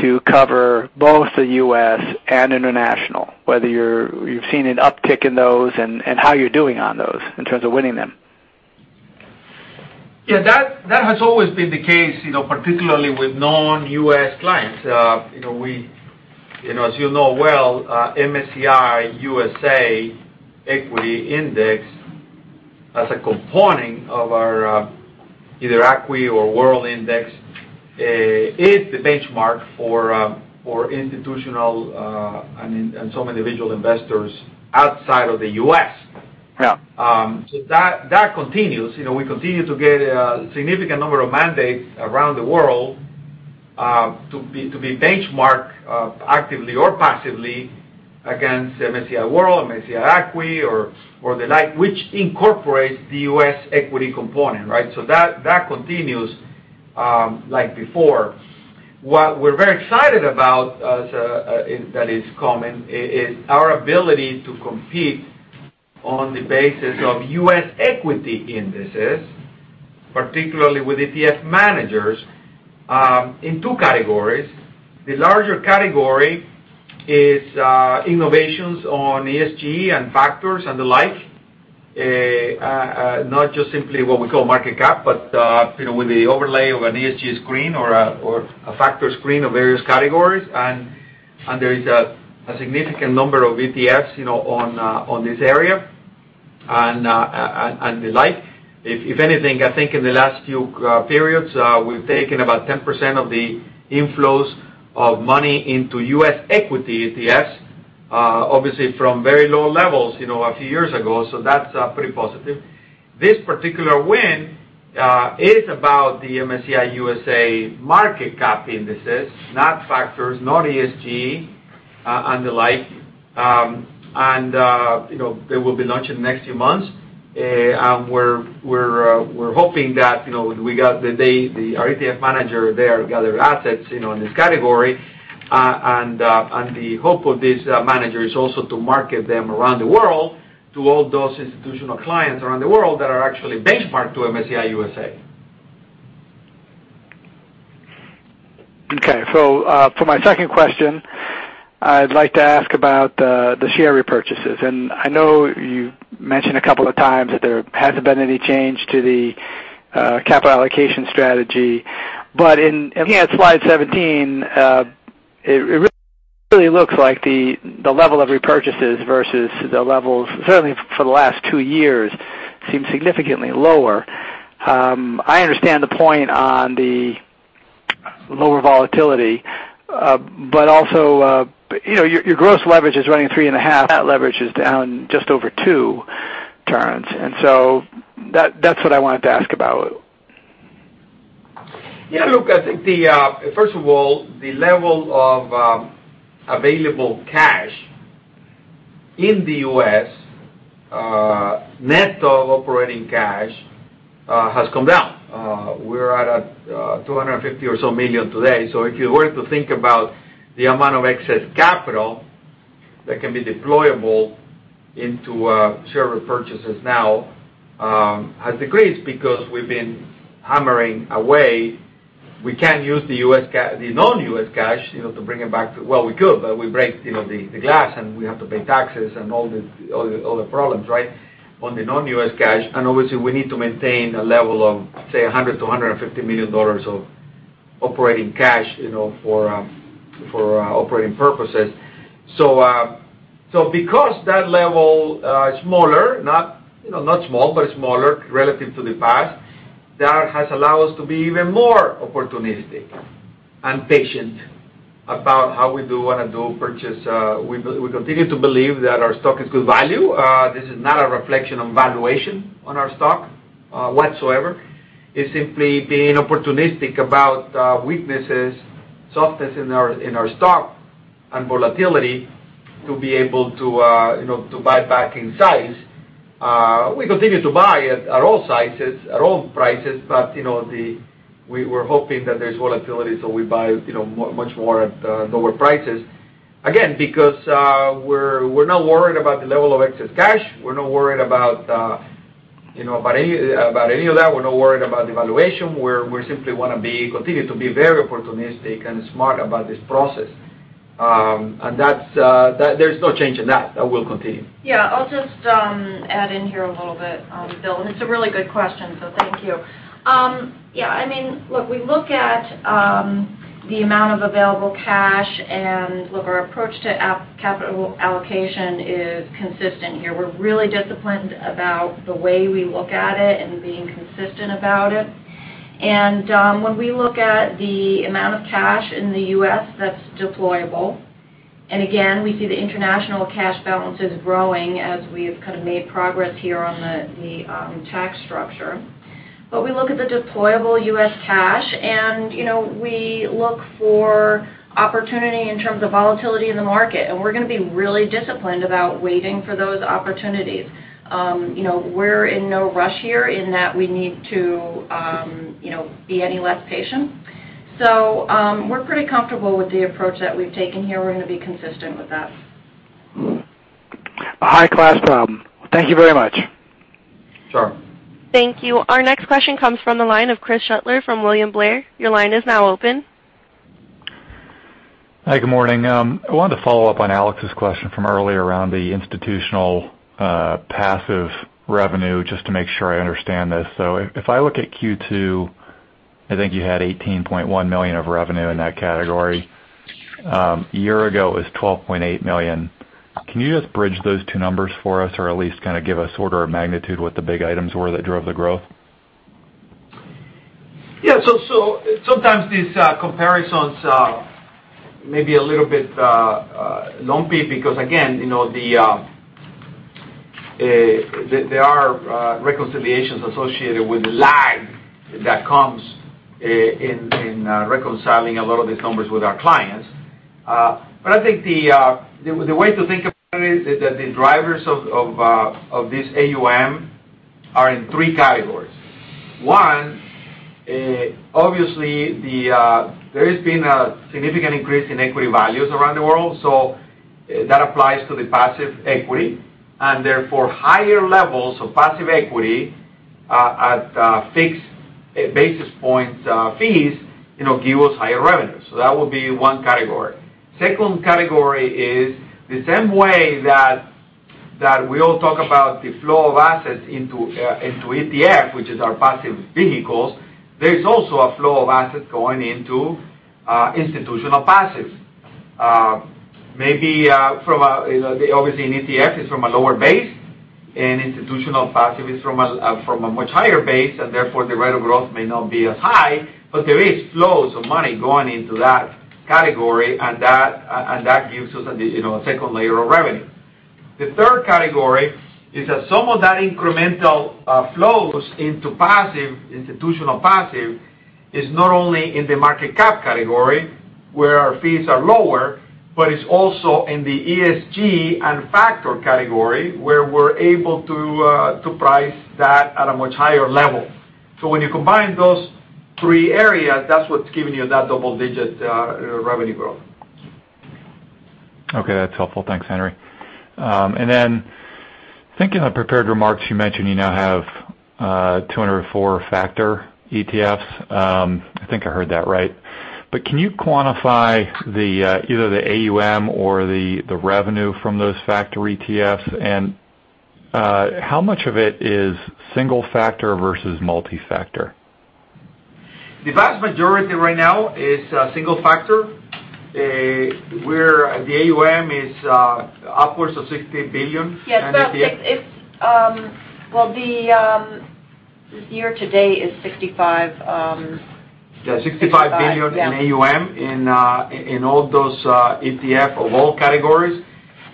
to cover both the U.S. and international, whether you've seen an uptick in those and how you're doing on those in terms of winning them. Yeah, that has always been the case, particularly with non-U.S. clients. As you know well, MSCI USA Index as a component of our either ACWI or World Index, is the benchmark for institutional and some individual investors outside of the U.S. Yeah. That continues. We continue to get a significant number of mandates around the world to be benchmarked actively or passively against MSCI World, MSCI ACWI, or the like, which incorporates the U.S. equity component, right? That continues like before. What we're very excited about that is coming is our ability to compete on the basis of U.S. equity indices, particularly with ETF managers, in two categories. The larger category is innovations on ESG and factors and the like. Not just simply what we call market cap, but with the overlay of an ESG screen or a factor screen of various categories. There is a significant number of ETFs on this area and the like. If anything, I think in the last few periods, we've taken about 10% of the inflows of money into U.S. equity ETFs, obviously from very low levels a few years ago. That's pretty positive. This particular win is about the MSCI USA market cap indices, not factors, not ESG and the like. They will be launched in the next few months. We're hoping that we got the ETF manager there gather assets in this category. The hope of this manager is also to market them around the world to all those institutional clients around the world that are actually benchmarked to MSCI USA. Okay. For my second question, I'd like to ask about the share repurchases. I know you've mentioned a couple of times that there hasn't been any change to the capital allocation strategy, but again, at slide 17, it really looks like the level of repurchases versus the levels certainly for the last two years seem significantly lower. I understand the point on the lower volatility. Also, your gross leverage is running three and a half. That leverage is down just over two turns. That's what I wanted to ask about. Yeah, look, I think, first of all, the level of available cash in the U.S., net of operating cash, has come down. We're at a $250 million or so today. If you were to think about the amount of excess capital that can be deployable into share repurchases now has decreased because we've been hammering away. We can't use the non-U.S. cash to bring it back. We could, but we break the glass, we have to pay taxes and all the other problems on the non-U.S. cash. Obviously, we need to maintain a level of, say, $100 million-$150 million of operating cash for operating purposes. Because that level is smaller, not small, but smaller relative to the past, that has allowed us to be even more opportunistic and patient about how we do want to purchase. We continue to believe that our stock is good value. This is not a reflection on valuation on our stock whatsoever. It's simply being opportunistic about weaknesses, softness in our stock, and volatility to be able to buy back in size. We continue to buy at all sizes, at all prices, but we were hoping that there's volatility, so we buy much more at lower prices. Again, because we're not worried about the level of excess cash. We're not worried about any of that. We're not worried about the valuation. We simply want to continue to be very opportunistic and smart about this process. There's no change in that. That will continue. Yeah, I'll just add in here a little bit, Bill. It's a really good question, so thank you. Look, we look at the amount of available cash. Our approach to capital allocation is consistent here. We're really disciplined about the way we look at it and being consistent about it. When we look at the amount of cash in the U.S. that's deployable, again, we see the international cash balances growing as we've kind of made progress here on the tax structure. We look at the deployable U.S. cash. We look for opportunity in terms of volatility in the market. We're going to be really disciplined about waiting for those opportunities. We're in no rush here in that we need to be any less patient. We're pretty comfortable with the approach that we've taken here. We're going to be consistent with that. A high-class problem. Thank you very much. Sure. Thank you. Our next question comes from the line of Chris Shutler from William Blair. Your line is now open. Hi, good morning. I wanted to follow up on Alex's question from earlier around the institutional passive revenue, just to make sure I understand this. If I look at Q2, I think you had $18.1 million of revenue in that category. A year ago, it was $12.8 million. Can you just bridge those two numbers for us or at least kind of give us order of magnitude what the big items were that drove the growth? Sometimes these comparisons may be a little bit lumpy because again there are reconciliations associated with the lag that comes in reconciling a lot of these numbers with our clients. I think the way to think about it is that the drivers of this AUM are in 3 categories. 1, obviously, there has been a significant increase in equity values around the world, that applies to the passive equity, and therefore higher levels of passive equity at fixed basis points fees give us higher revenues. That would be one category. Second category is the same way that we all talk about the flow of assets into ETF, which is our passive vehicles. There's also a flow of assets going into institutional passives. Obviously, an ETF is from a lower base, and institutional passive is from a much higher base, and therefore the rate of growth may not be as high, but there is flows of money going into that category, and that gives us a second layer of revenue. The third category is that some of that incremental flows into passive, institutional passive, is not only in the market cap category, where our fees are lower, but it's also in the ESG and factor category, where we're able to price that at a much higher level. When you combine those three areas, that's what's giving you that double-digit revenue growth. Okay, that's helpful. Thanks, Henry. I think in the prepared remarks you mentioned you now have 204 factor ETFs. I think I heard that right. Can you quantify either the AUM or the revenue from those factor ETFs, and how much of it is single factor versus multi-factor? The vast majority right now is single factor, where the AUM is upwards of $60 billion. Yes. Well, the year-to-date is 65- Yeah, $65 billion in AUM- Yeah in all those ETF of all categories.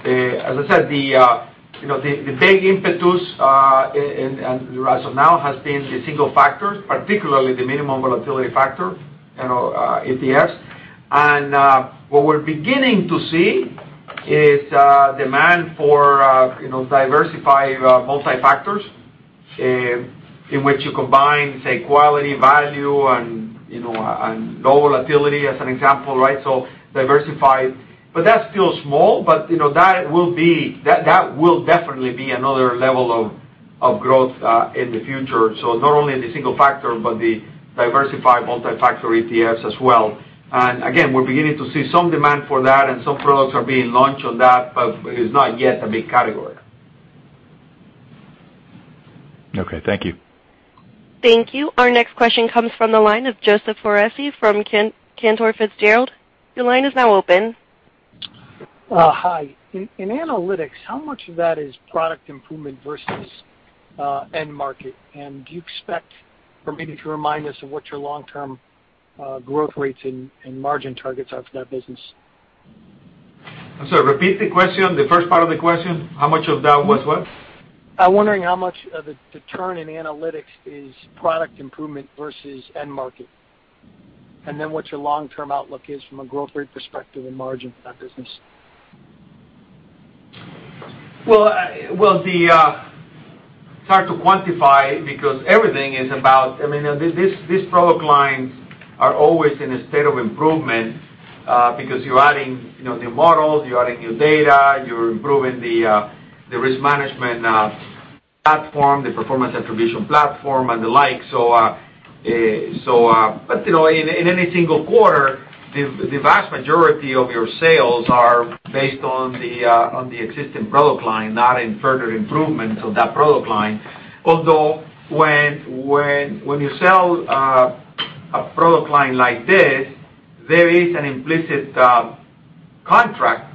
As I said, the big impetus as of now has been the single factors, particularly the minimum volatility factor, ETFs. What we're beginning to see is demand for diversified multi-factors, in which you combine, say, quality, value, and low volatility as an example. Diversified. That's still small, but that will definitely be another level of growth in the future. Not only the single factor, but the diversified multi-factor ETFs as well. Again, we're beginning to see some demand for that and some products are being launched on that, but it's not yet a big category. Okay. Thank you. Thank you. Our next question comes from the line of Joseph Foresi from Cantor Fitzgerald. Your line is now open. Hi. In Analytics, how much of that is product improvement versus end market? Do you expect, or maybe to remind us of what your long-term growth rates and margin targets are for that business? I'm sorry, repeat the question, the first part of the question. How much of that was what? I'm wondering how much of the turn in analytics is product improvement versus end market, and then what your long-term outlook is from a growth rate perspective and margin for that business. Well, it's hard to quantify because these product lines are always in a state of improvement because you're adding new models, you're adding new data, you're improving the risk management platform, the performance attribution platform, and the like. In any single quarter, the vast majority of your sales are based on the existing product line, not in further improvements of that product line. Although, when you sell a product line like this, there is an implicit contract,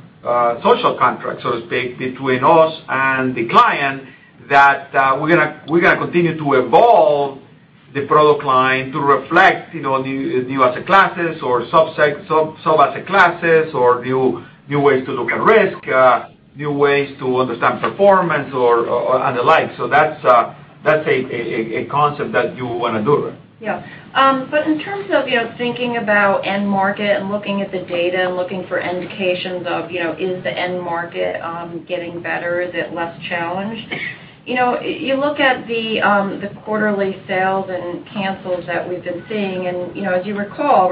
social contract, so to speak, between us and the client that we're going to continue to evolve the product line to reflect new asset classes or sub-asset classes or new ways to look at risk, new ways to understand performance, or the like. That's a concept that you want to deliver. Yeah. In terms of thinking about end market and looking at the data and looking for indications of, is the end market getting better? Is it less challenged? You look at the quarterly sales and cancels that we've been seeing, as you recall,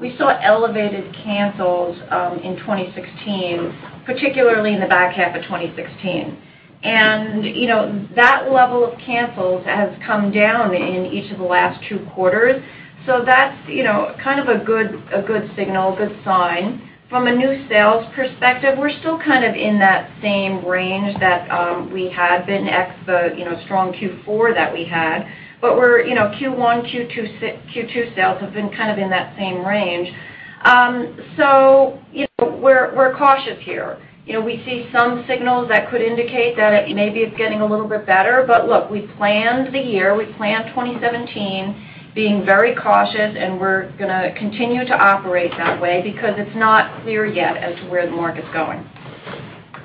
we saw elevated cancels in 2016, particularly in the back half of 2016. That level of cancels has come down in each of the last two quarters. That's kind of a good signal, good sign. From a new sales perspective, we're still kind of in that same range that we had been ex the strong Q4 that we had. Q1, Q2 sales have been kind of in that same range. We're cautious here. We see some signals that could indicate that maybe it's getting a little bit better. Look, we planned the year, we planned 2017 being very cautious, and we're going to continue to operate that way because it's not clear yet as to where the market's going.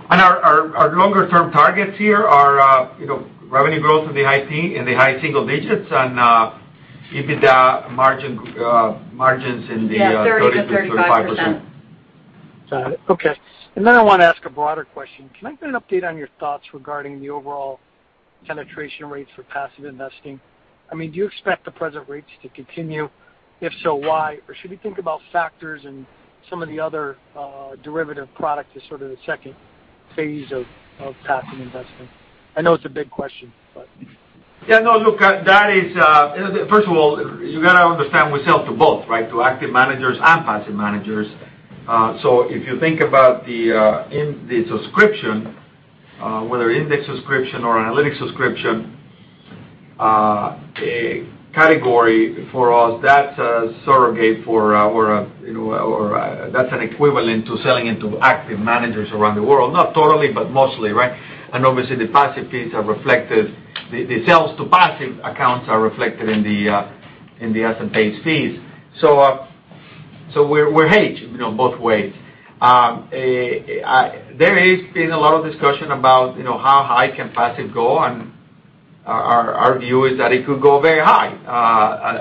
Our longer-term targets here are revenue growth in the high single digits and EBITDA margins in the 30%-35%. Yeah, 30%-35%. Got it. Okay. I want to ask a broader question. Can I get an update on your thoughts regarding the overall penetration rates for passive investing? Do you expect the present rates to continue? If so, why? Should we think about factors and some of the other derivative product as sort of the second phase of passive investing? I know it's a big question. Yeah, no. Look, first of all, you got to understand we sell to both. To active managers and passive managers. If you think about the subscription, whether index subscription or analytics subscription, a category for us that's a surrogate for or that's an equivalent to selling into active managers around the world. Not totally, but mostly. Obviously the passive fees are reflected, the sales to passive accounts are reflected in the asset base fees. We're hedged both ways. There has been a lot of discussion about how high can passive go, and our view is that it could go very high.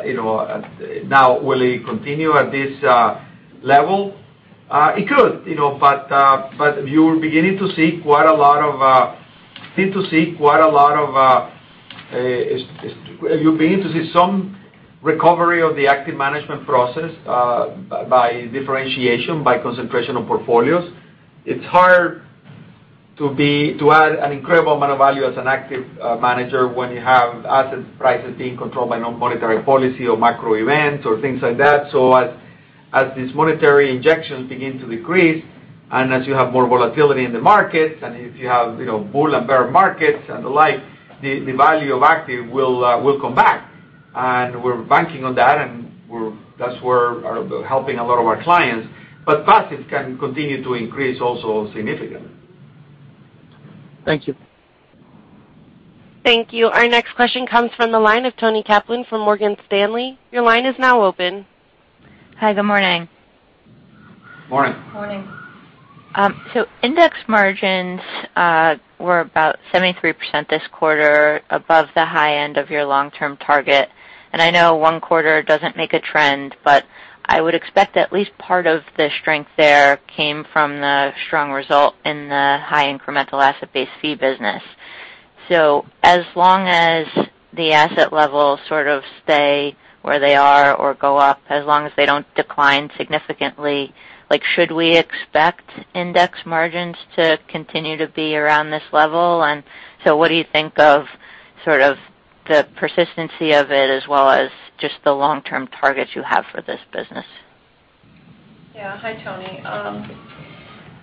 Will it continue at this level? It could. You're beginning to see quite a lot of You begin to see some recovery of the active management process by differentiation, by concentration of portfolios. It's hard to add an incredible amount of value as an active manager when you have asset prices being controlled by non-monetary policy or macro events or things like that. As these monetary injections begin to decrease, and as you have more volatility in the markets, and if you have bull and bear markets and the like, the value of active will come back. We're banking on that, and that's where we're helping a lot of our clients. Passives can continue to increase also significantly. Thank you. Thank you. Our next question comes from the line of Toni Kaplan from Morgan Stanley. Your line is now open. Hi, good morning. Morning. Morning. Index margins were about 73% this quarter, above the high end of your long-term target. I know one quarter doesn't make a trend, but I would expect at least part of the strength there came from the strong result in the high incremental asset-based fee business. As long as the asset levels sort of stay where they are or go up, as long as they don't decline significantly, should we expect index margins to continue to be around this level? What do you think of the persistency of it, as well as just the long-term targets you have for this business? Hi, Toni.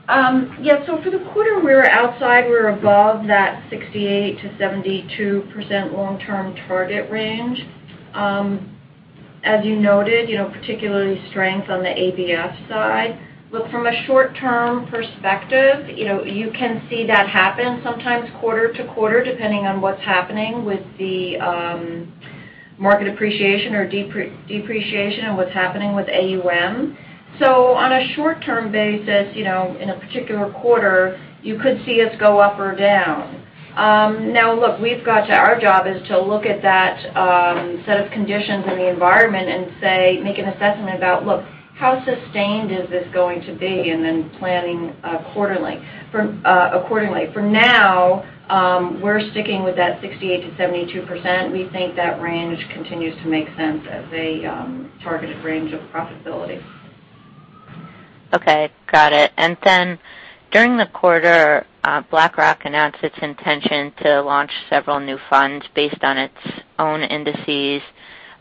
For the quarter, we were outside, we were above that 68%-72% long-term target range. As you noted, particularly strength on the ABF side. Look, from a short-term perspective, you can see that happen sometimes quarter to quarter, depending on what's happening with the market appreciation or depreciation and what's happening with AUM. On a short-term basis, in a particular quarter, you could see us go up or down. Look, our job is to look at that set of conditions in the environment and make an assessment about, look, how sustained is this going to be, and then planning accordingly. For now, we're sticking with that 68%-72%. We think that range continues to make sense as a targeted range of profitability. Okay, got it. During the quarter, BlackRock announced its intention to launch several new funds based on its own indices.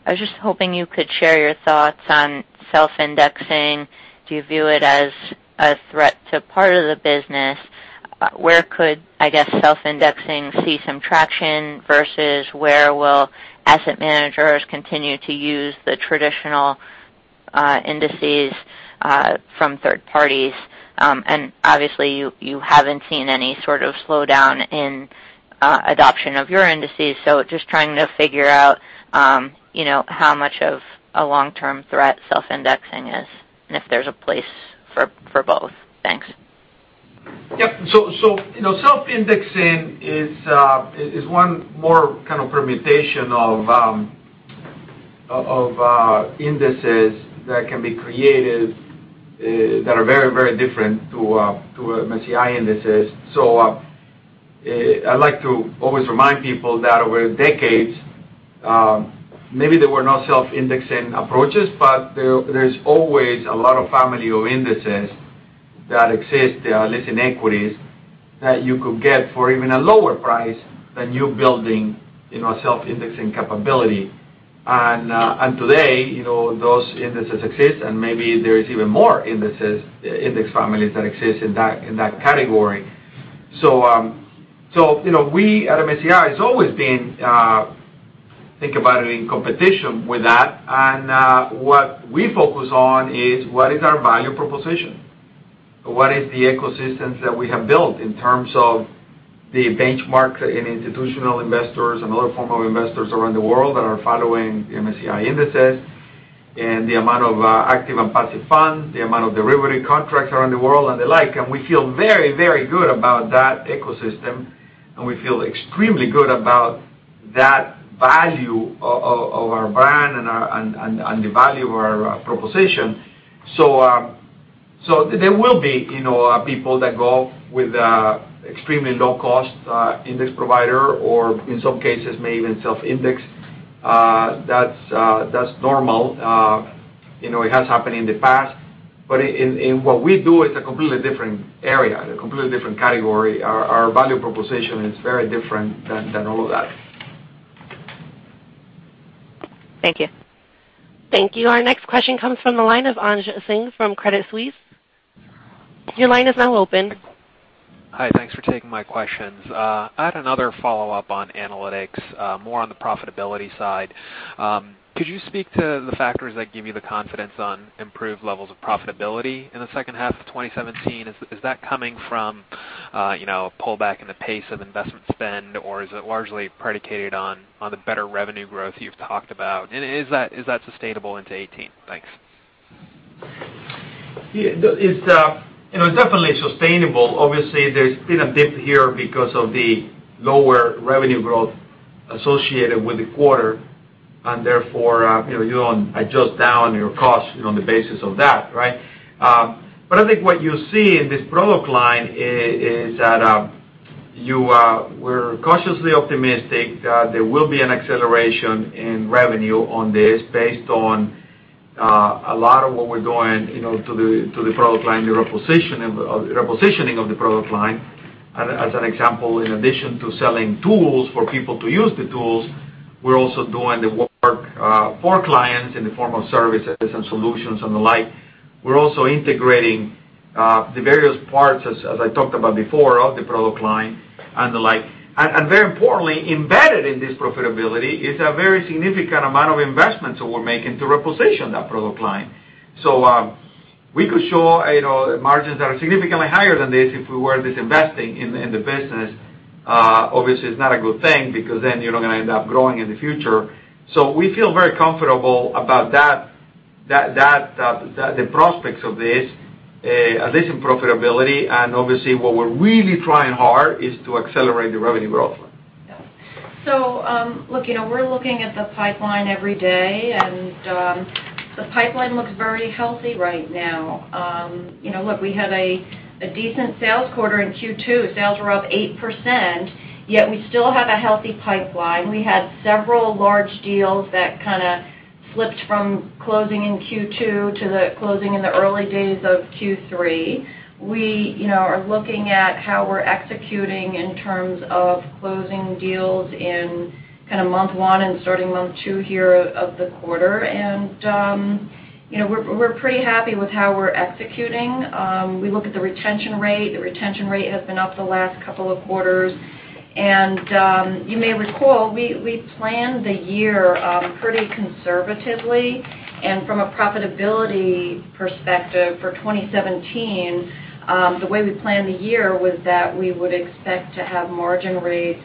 I was just hoping you could share your thoughts on self-indexing. Do you view it as a threat to part of the business? Where could self-indexing see some traction versus where will asset managers continue to use the traditional indices from third parties? Obviously you haven't seen any sort of slowdown in adoption of your indices, just trying to figure out how much of a long-term threat self-indexing is and if there's a place for both. Thanks. self-indexing is one more kind of permutation of indices that can be created that are very different to MSCI indices. I like to always remind people that over decades, maybe there were no self-indexing approaches, but there's always a lot of family of indices that exist that are listed in equities that you could get for even a lower price than you building self-indexing capability. Today, those indices exist, and maybe there is even more index families that exist in that category. We at MSCI, it's always been, think about it, in competition with that. What we focus on is what is our value proposition? What is the ecosystems that we have built in terms of the benchmark in institutional investors and other form of investors around the world that are following MSCI indices, and the amount of active and passive funds, the amount of derivative contracts around the world and the like. We feel very good about that ecosystem, and we feel extremely good about that value of our brand and the value of our proposition. There will be people that go with extremely low cost index provider or in some cases may even self-index. That's normal. It has happened in the past, but in what we do, it's a completely different area and a completely different category. Our value proposition is very different than all of that. Thank you. Thank you. Our next question comes from the line of Anj Singh from Credit Suisse. Your line is now open. Hi. Thanks for taking my questions. I had another follow-up on analytics, more on the profitability side. Could you speak to the factors that give you the confidence on improved levels of profitability in the second half of 2017? Is that coming from a pullback in the pace of investment spend, or is it largely predicated on the better revenue growth you've talked about? Is that sustainable into 2018? Thanks. Yeah. It's definitely sustainable. Obviously, there's been a dip here because of the lower revenue growth associated with the quarter. Therefore, you adjust down your costs on the basis of that. I think what you see in this product line is that we're cautiously optimistic that there will be an acceleration in revenue on this based on a lot of what we're doing to the product line, the repositioning of the product line. As an example, in addition to selling tools for people to use the tools, we're also doing the work for clients in the form of services and solutions and the like. We're also integrating the various parts, as I talked about before, of the product line and the like. Very importantly, embedded in this profitability is a very significant amount of investments that we're making to reposition that product line. We could show margins that are significantly higher than this if we were disinvesting in the business. Obviously, it's not a good thing, because then you're not going to end up growing in the future. We feel very comfortable about the prospects of this addition profitability, and obviously what we're really trying hard is to accelerate the revenue growth. Yes. Look, we're looking at the pipeline every day, and the pipeline looks very healthy right now. Look, we had a decent sales quarter in Q2. Sales were up 8%, yet we still have a healthy pipeline. We had several large deals that kind of slipped from closing in Q2 to the closing in the early days of Q3. We are looking at how we're executing in terms of closing deals in month one and starting month two here of the quarter. We're pretty happy with how we're executing. We look at the retention rate. The retention rate has been up the last couple of quarters. You may recall, we planned the year pretty conservatively. From a profitability perspective for 2017, the way we planned the year was that we would expect to have margin rates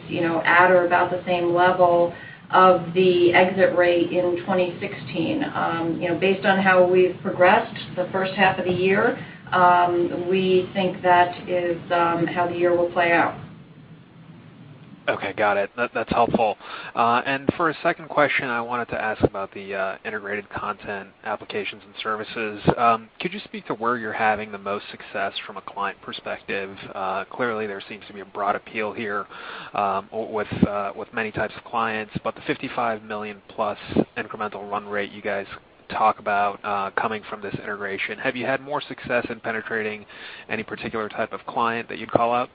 at or about the same level of the exit rate in 2016. Based on how we've progressed the first half of the year, we think that is how the year will play out. Okay. Got it. That's helpful. For a second question, I wanted to ask about the integrated content applications and services. Could you speak to where you're having the most success from a client perspective? Clearly, there seems to be a broad appeal here with many types of clients, but the $55 million-plus incremental run rate you guys talk about coming from this integration. Have you had more success in penetrating any particular type of client that you'd call out?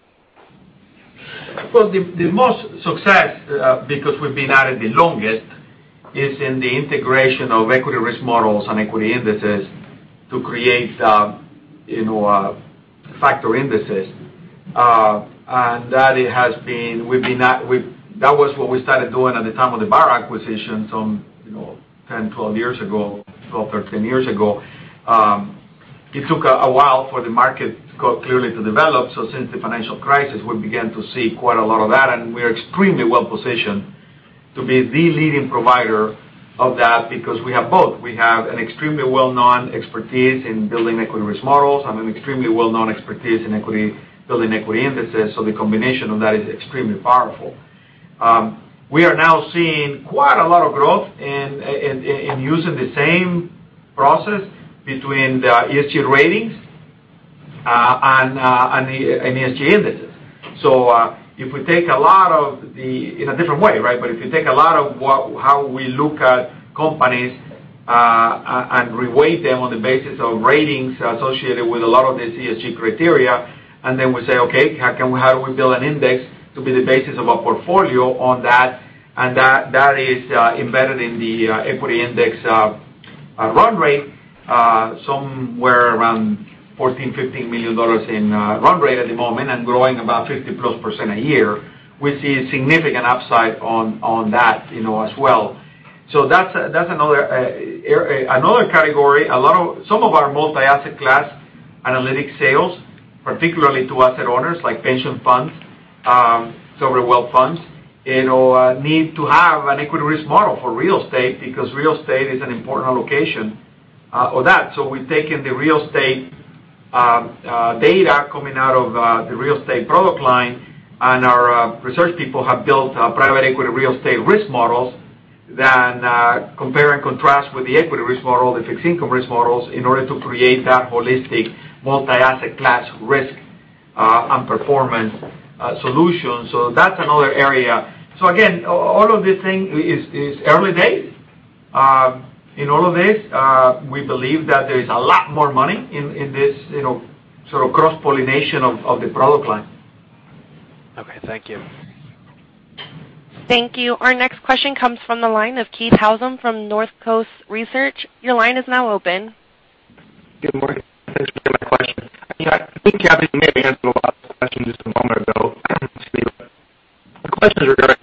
Well, the most success, because we've been at it the longest, is in the integration of equity risk models and equity indices to create factor indices. That was what we started doing at the time of the Barra acquisition some 10, 12 years ago, 12, 13 years ago. It took a while for the market, clearly, to develop. Since the financial crisis, we began to see quite a lot of that, and we are extremely well-positioned to be the leading provider of that because we have both. We have an extremely well-known expertise in building equity risk models and an extremely well-known expertise in building equity indices. The combination of that is extremely powerful. We are now seeing quite a lot of growth in using the same process between the ESG ratings and ESG indices. If you take a lot of how we look at companies and re-weight them on the basis of ratings associated with a lot of the ESG criteria, then we say, "Okay, how do we build an index to be the basis of a portfolio on that?" That is embedded in the equity index run rate, somewhere around $14, $15 million in run rate at the moment and growing about 50-plus% a year. We see a significant upside on that as well. That's another category. Some of our multi-asset class analytic sales, particularly to asset owners like pension funds, sovereign wealth funds, need to have an equity risk model for real estate because real estate is an important allocation of that. We've taken the real estate data coming out of the real estate product line, and our research people have built private equity real estate risk models that compare and contrast with the equity risk model, the fixed income risk models, in order to create that holistic multi-asset class risk and performance solution. That's another area. Again, all of this thing is early days. In all of this, we believe that there is a lot more money in this sort of cross-pollination of the product line. Okay, thank you. Thank you. Our next question comes from the line of Keith Housum from Northcoast Research. Your line is now open. Good morning. Thanks for taking my question. I think, Cathy, you may have answered a lot of this question just a moment ago. The question is regarding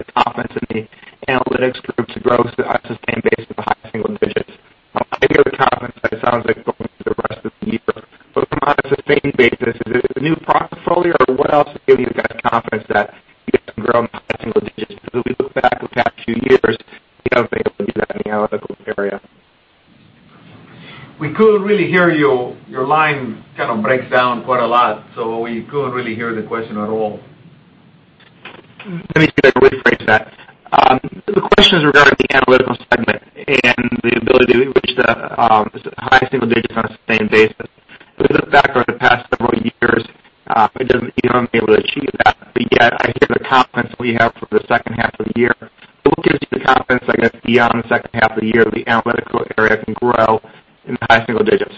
in the high single digits?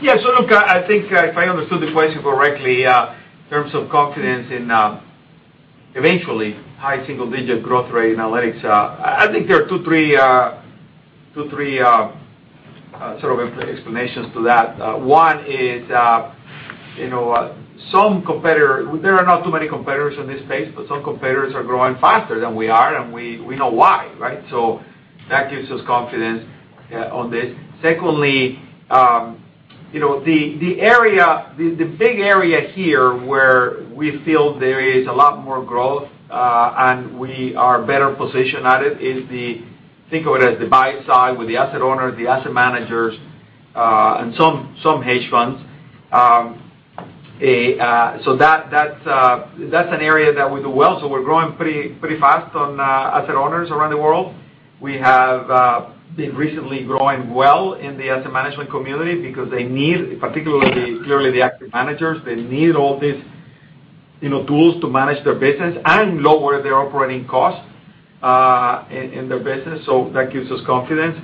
Yeah. Look, I think if I understood the question correctly, in terms of confidence in eventually high single-digit growth rate in analytics, I think there are two, three sort of explanations to that. One is, there are not too many competitors in this space, but some competitors are growing faster than we are, and we know why, right? That gives us confidence on this. Secondly, the big area here where we feel there is a lot more growth, and we are better positioned at it, is think of it as the buy side with the asset owners, the asset managers, and some hedge funds. That's an area that we do well. We're growing pretty fast on asset owners around the world. We have been recently growing well in the asset management community because they need, particularly clearly the active managers, they need all these tools to manage their business and lower their operating costs in their business. That gives us confidence.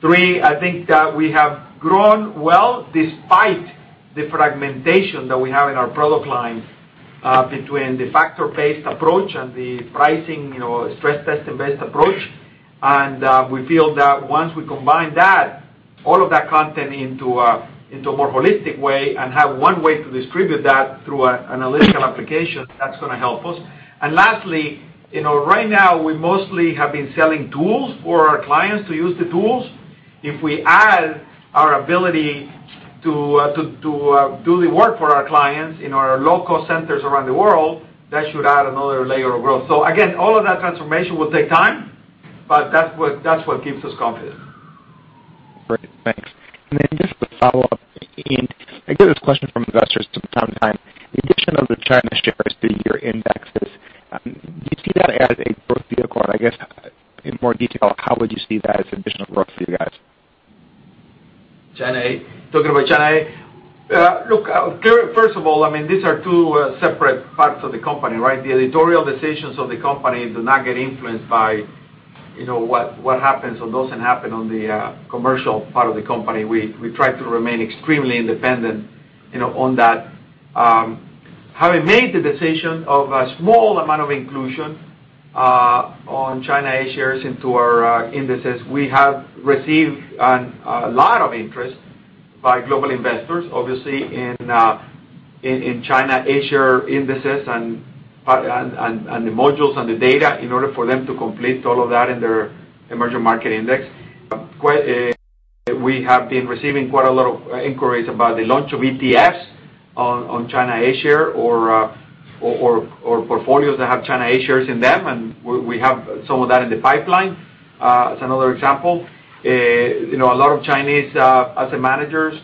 Three, I think that we have grown well despite the fragmentation that we have in our product line between the factor-based approach and the pricing, stress testing-based approach. We feel that once we combine that, all of that content into a more holistic way and have one way to distribute that through an analytical application, that's going to help us. Lastly, right now we mostly have been selling tools for our clients to use the tools. If we add our ability to do the work for our clients in our local centers around the world, that should add another layer of growth. Again, all of that transformation will take time, but that's what gives us confidence. Great. Thanks. Then just a follow-up. I get this question from investors from time to time. In addition of the China A shares to your indices, do you see that as a growth vehicle? I guess, in more detail, how would you see that as additional growth for you guys? Talking about China A shares. First of all, these are two separate parts of the company, right? The editorial decisions of the company do not get influenced by what happens or doesn't happen on the commercial part of the company. We try to remain extremely independent on that. Having made the decision of a small amount of inclusion on China A shares into our indices, we have received a lot of interest by global investors, obviously in China A shares indices and the modules and the data in order for them to complete all of that in their Emerging Market Index. We have been receiving quite a lot of inquiries about the launch of ETFs on China A shares or portfolios that have China A shares in them. We have some of that in the pipeline as another example. A lot of Chinese asset managers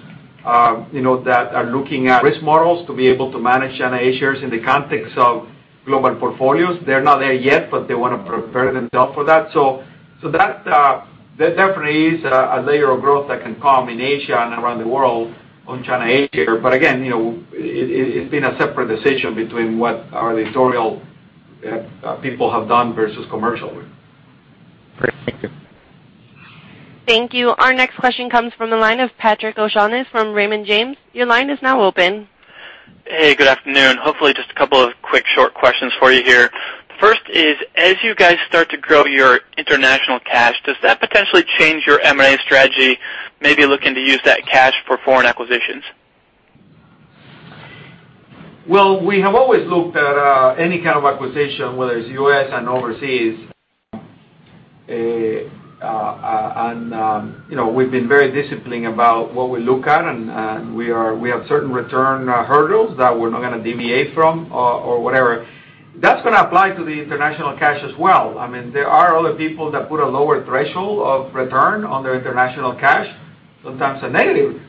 that are looking at risk models to be able to manage China A shares in the context of global portfolios. They're not there yet, but they want to prepare themselves for that. That definitely is a layer of growth that can come in Asia and around the world on China A shares. Again, it's been a separate decision between what our editorial people have done versus commercial. Great. Thank you. Thank you. Our next question comes from the line of Patrick O'Shaughnessy from Raymond James. Your line is now open. Hey, good afternoon. Hopefully, just a couple of quick, short questions for you here. First is, as you guys start to grow your international cash, does that potentially change your M&A strategy, maybe looking to use that cash for foreign acquisitions? Well, we have always looked at any kind of acquisition, whether it's U.S. and overseas. We've been very disciplined about what we look at, and we have certain return hurdles that we're not going to deviate from or whatever. That's going to apply to the international cash as well. There are other people that put a lower threshold of return on their international cash, sometimes a negative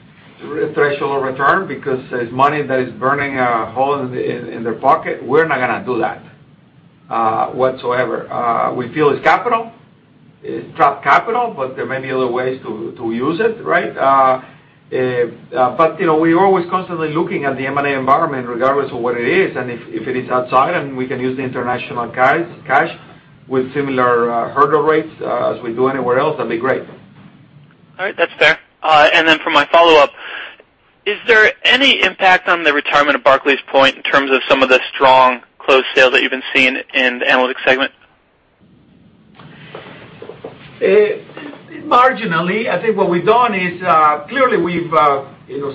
threshold of return because there's money that is burning a hole in their pocket. We're not going to do that whatsoever. We feel it's capital. It's trapped capital, but there may be other ways to use it, right? We're always constantly looking at the M&A environment regardless of what it is, and if it is outside and we can use the international cash with similar hurdle rates as we do anywhere else, that'd be great. All right, that's fair. For my follow-up, is there any impact on the retirement of Barclays POINT in terms of some of the strong closed sales that you've been seeing in the analytics segment? Marginally. I think what we've done is, clearly we've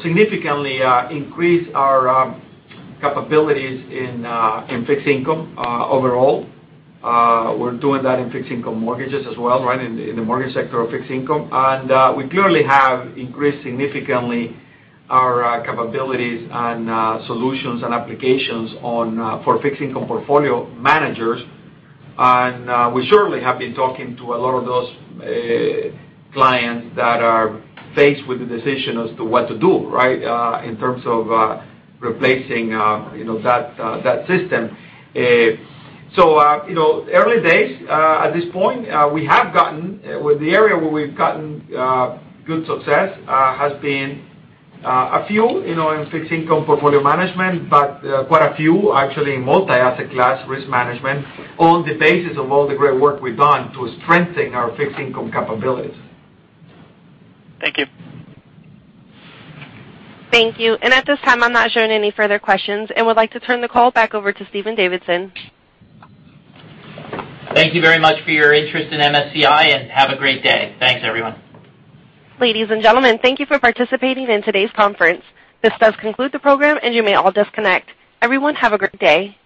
significantly increased our capabilities in fixed income overall. We're doing that in fixed income mortgages as well, right, in the mortgage sector of fixed income. We clearly have increased significantly our capabilities and solutions and applications for fixed income portfolio managers. We certainly have been talking to a lot of those clients that are faced with the decision as to what to do, right, in terms of replacing that system. Early days at this point. The area where we've gotten good success has been a few in fixed income portfolio management, but quite a few actually in multi-asset class risk management on the basis of all the great work we've done to strengthen our fixed income capabilities. Thank you. Thank you. At this time, I'm not showing any further questions and would like to turn the call back over to Stephen Davidson. Thank you very much for your interest in MSCI, and have a great day. Thanks, everyone. Ladies and gentlemen, thank you for participating in today's conference. This does conclude the program, and you may all disconnect. Everyone, have a great day.